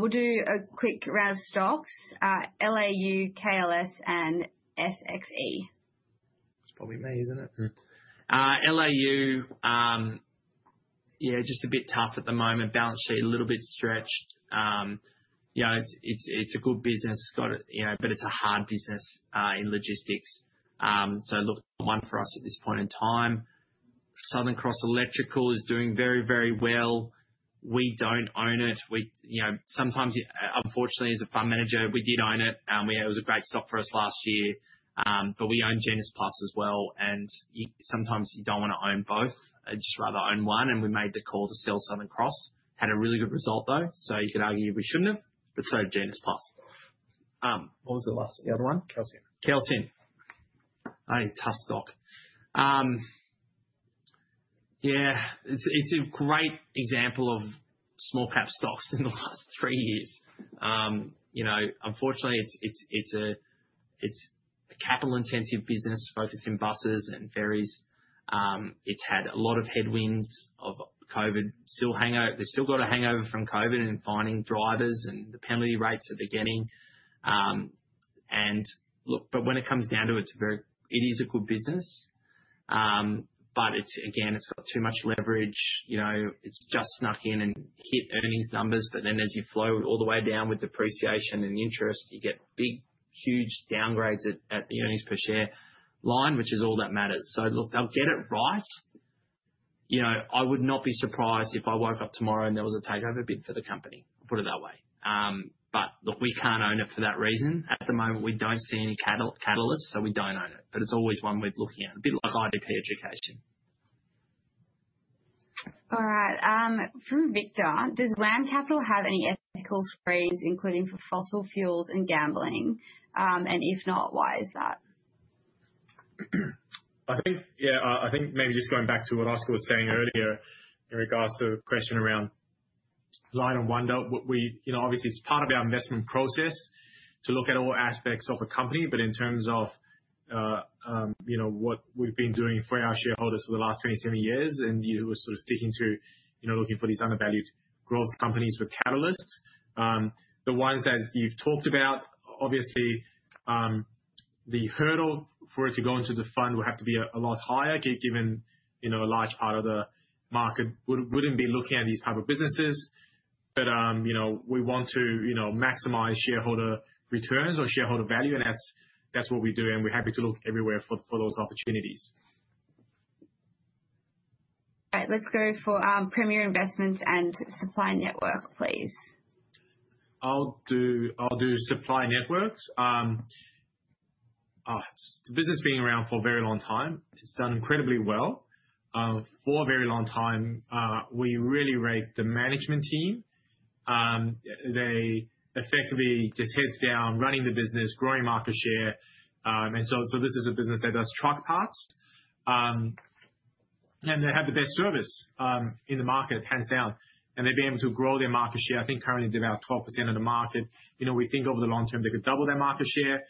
We'll do a quick round of stocks: LAU, KLS, and SXE. It's probably me, isn't it? LAU, yeah, just a bit tough at the moment. Balance sheet a little bit stretched. It's a good business, but it's a hard business in logistics. Look, one for us at this point in time. Southern Cross Electrical is doing very, very well. We don't own it. Sometimes, unfortunately, as a fund manager, we did own it. It was a great stock for us last year. We own GenusPlus as well. Sometimes you don't want to own both. I'd just rather own one. We made the call to sell Southern Cross. Had a really good result, though. You could argue we shouldn't have. GenusPlus. What was the last other one? Kelsian. Only tough stock. Yeah. It's a great example of small-cap stocks in the last three years. Unfortunately, it's a capital-intensive business focusing buses and ferries. It's had a lot of headwinds of COVID. They've still got a hangover from COVID and finding drivers and the penalty rates that they're getting. Look, when it comes down to it, it is a good business. Again, it's got too much leverage. It's just snuck in and hit earnings numbers. As you flow all the way down with depreciation and interest, you get big, huge downgrades at the earnings per share line, which is all that matters. Look, they'll get it right. I would not be surprised if I woke up tomorrow and there was a takeover bid for the company. I'll put it that way. We can't own it for that reason. At the moment, we don't see any catalysts, so we don't own it. It's always one worth looking at, a bit like IDP Education. All right. From Victor, does WAM Capital have any ethical strains, including for fossil fuels and gambling? If not, why is that? Yeah. I think maybe just going back to what Oscar was saying earlier in regards to the question around Light & Wonder, obviously, it's part of our investment process to look at all aspects of a company. In terms of what we've been doing for our shareholders for the last 27 years, we're sort of sticking to looking for these undervalued growth companies with catalysts. The ones that you've talked about, obviously, the hurdle for it to go into the fund would have to be a lot higher, given a large part of the market wouldn't be looking at these types of businesses. We want to maximize shareholder returns or shareholder value, and that's what we do. We're happy to look everywhere for those opportunities. All right. Let's go for Premier Investments and Supply Network, please. I'll do Supply Network. The business has been around for a very long time. It's done incredibly well for a very long time. We really rate the management team. They effectively just heads down, running the business, growing market share. This is a business that does truck parts. They have the best service in the market, hands down. They've been able to grow their market share, I think currently to about 12% of the market. We think over the long term, they could double their market share,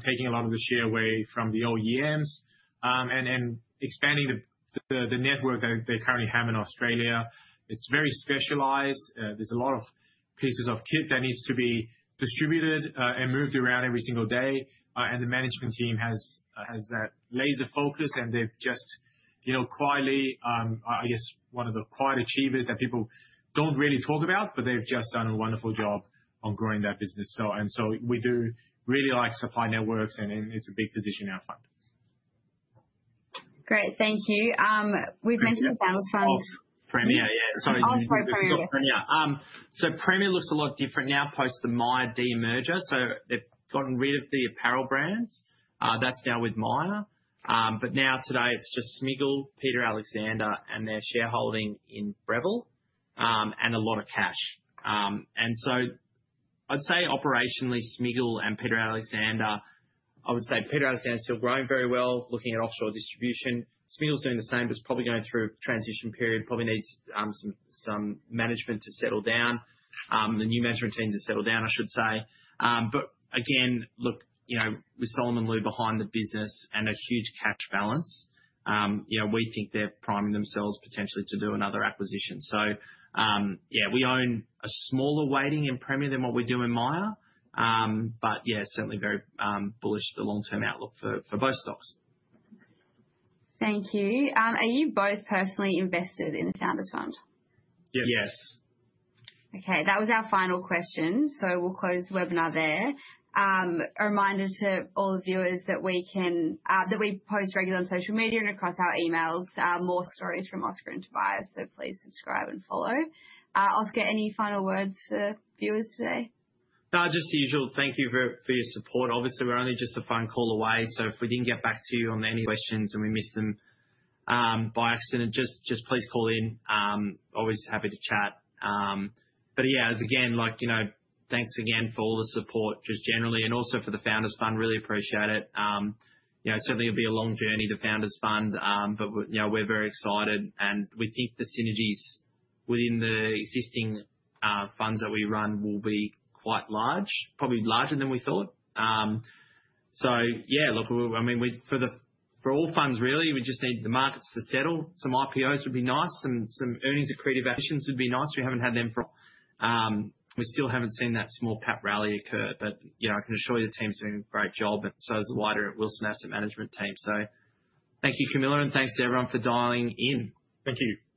taking a lot of the share away from the old EMs and expanding the network that they currently have in Australia. It's very specialized. There's a lot of pieces of kit that needs to be distributed and moved around every single day. The management team has that laser focus, and they've just quietly, I guess, one of the quiet achievers that people do not really talk about, but they've just done a wonderful job on growing that business. We do really like Supply Network, and it's a big position in our fund. Great. Thank you. We've mentioned the balance fund. Premier. Yeah. Sorry. Oscar, Premier. Premier looks a lot different now post the Myer merger. They've gotten rid of the apparel brands. That's now with Myer. Today, it's just Smiggle, Peter Alexander, and their shareholding in Breville and a lot of cash. I'd say operationally, Smiggle and Peter Alexander, I would say Peter Alexander is still growing very well, looking at offshore distribution. Smiggle's doing the same, but it's probably going through a transition period, probably needs some management to settle down, the new management team to settle down, I should say. Again, look, with Solomon Lew behind the business and a huge cash balance, we think they're priming themselves potentially to do another acquisition. We own a smaller weighting in Premier than what we do in Myer. Certainly very bullish, the long-term outlook for both stocks. Thank you. Are you both personally invested in the founders' fund? Yes. Yes. Okay. That was our final question. We will close the webinar there. A reminder to all the viewers that we post regularly on social media and across our emails more stories from Oscar and Tobias. Please subscribe and follow. Oscar, any final words for viewers today? Just the usual. Thank you for your support. Obviously, we're only just a phone call away. If we didn't get back to you on any questions and we missed them by accident, please call in. Always happy to chat. Again, thanks again for all the support generally and also for the founders' fund. Really appreciate it. Certainly, it'll be a long journey, the founders' fund, but we're very excited. We think the synergies within the existing funds that we run will be quite large, probably larger than we thought. I mean, for all funds, really, we just need the markets to settle. Some IPOs would be nice. Some earnings accreditations would be nice. We haven't had them for a while. We still haven't seen that small-cap rally occur. I can assure you the team's doing a great job. The wider Wilson Asset Management team has also contributed. Thank you, Camilla, and thanks to everyone for dialing in. Thank you.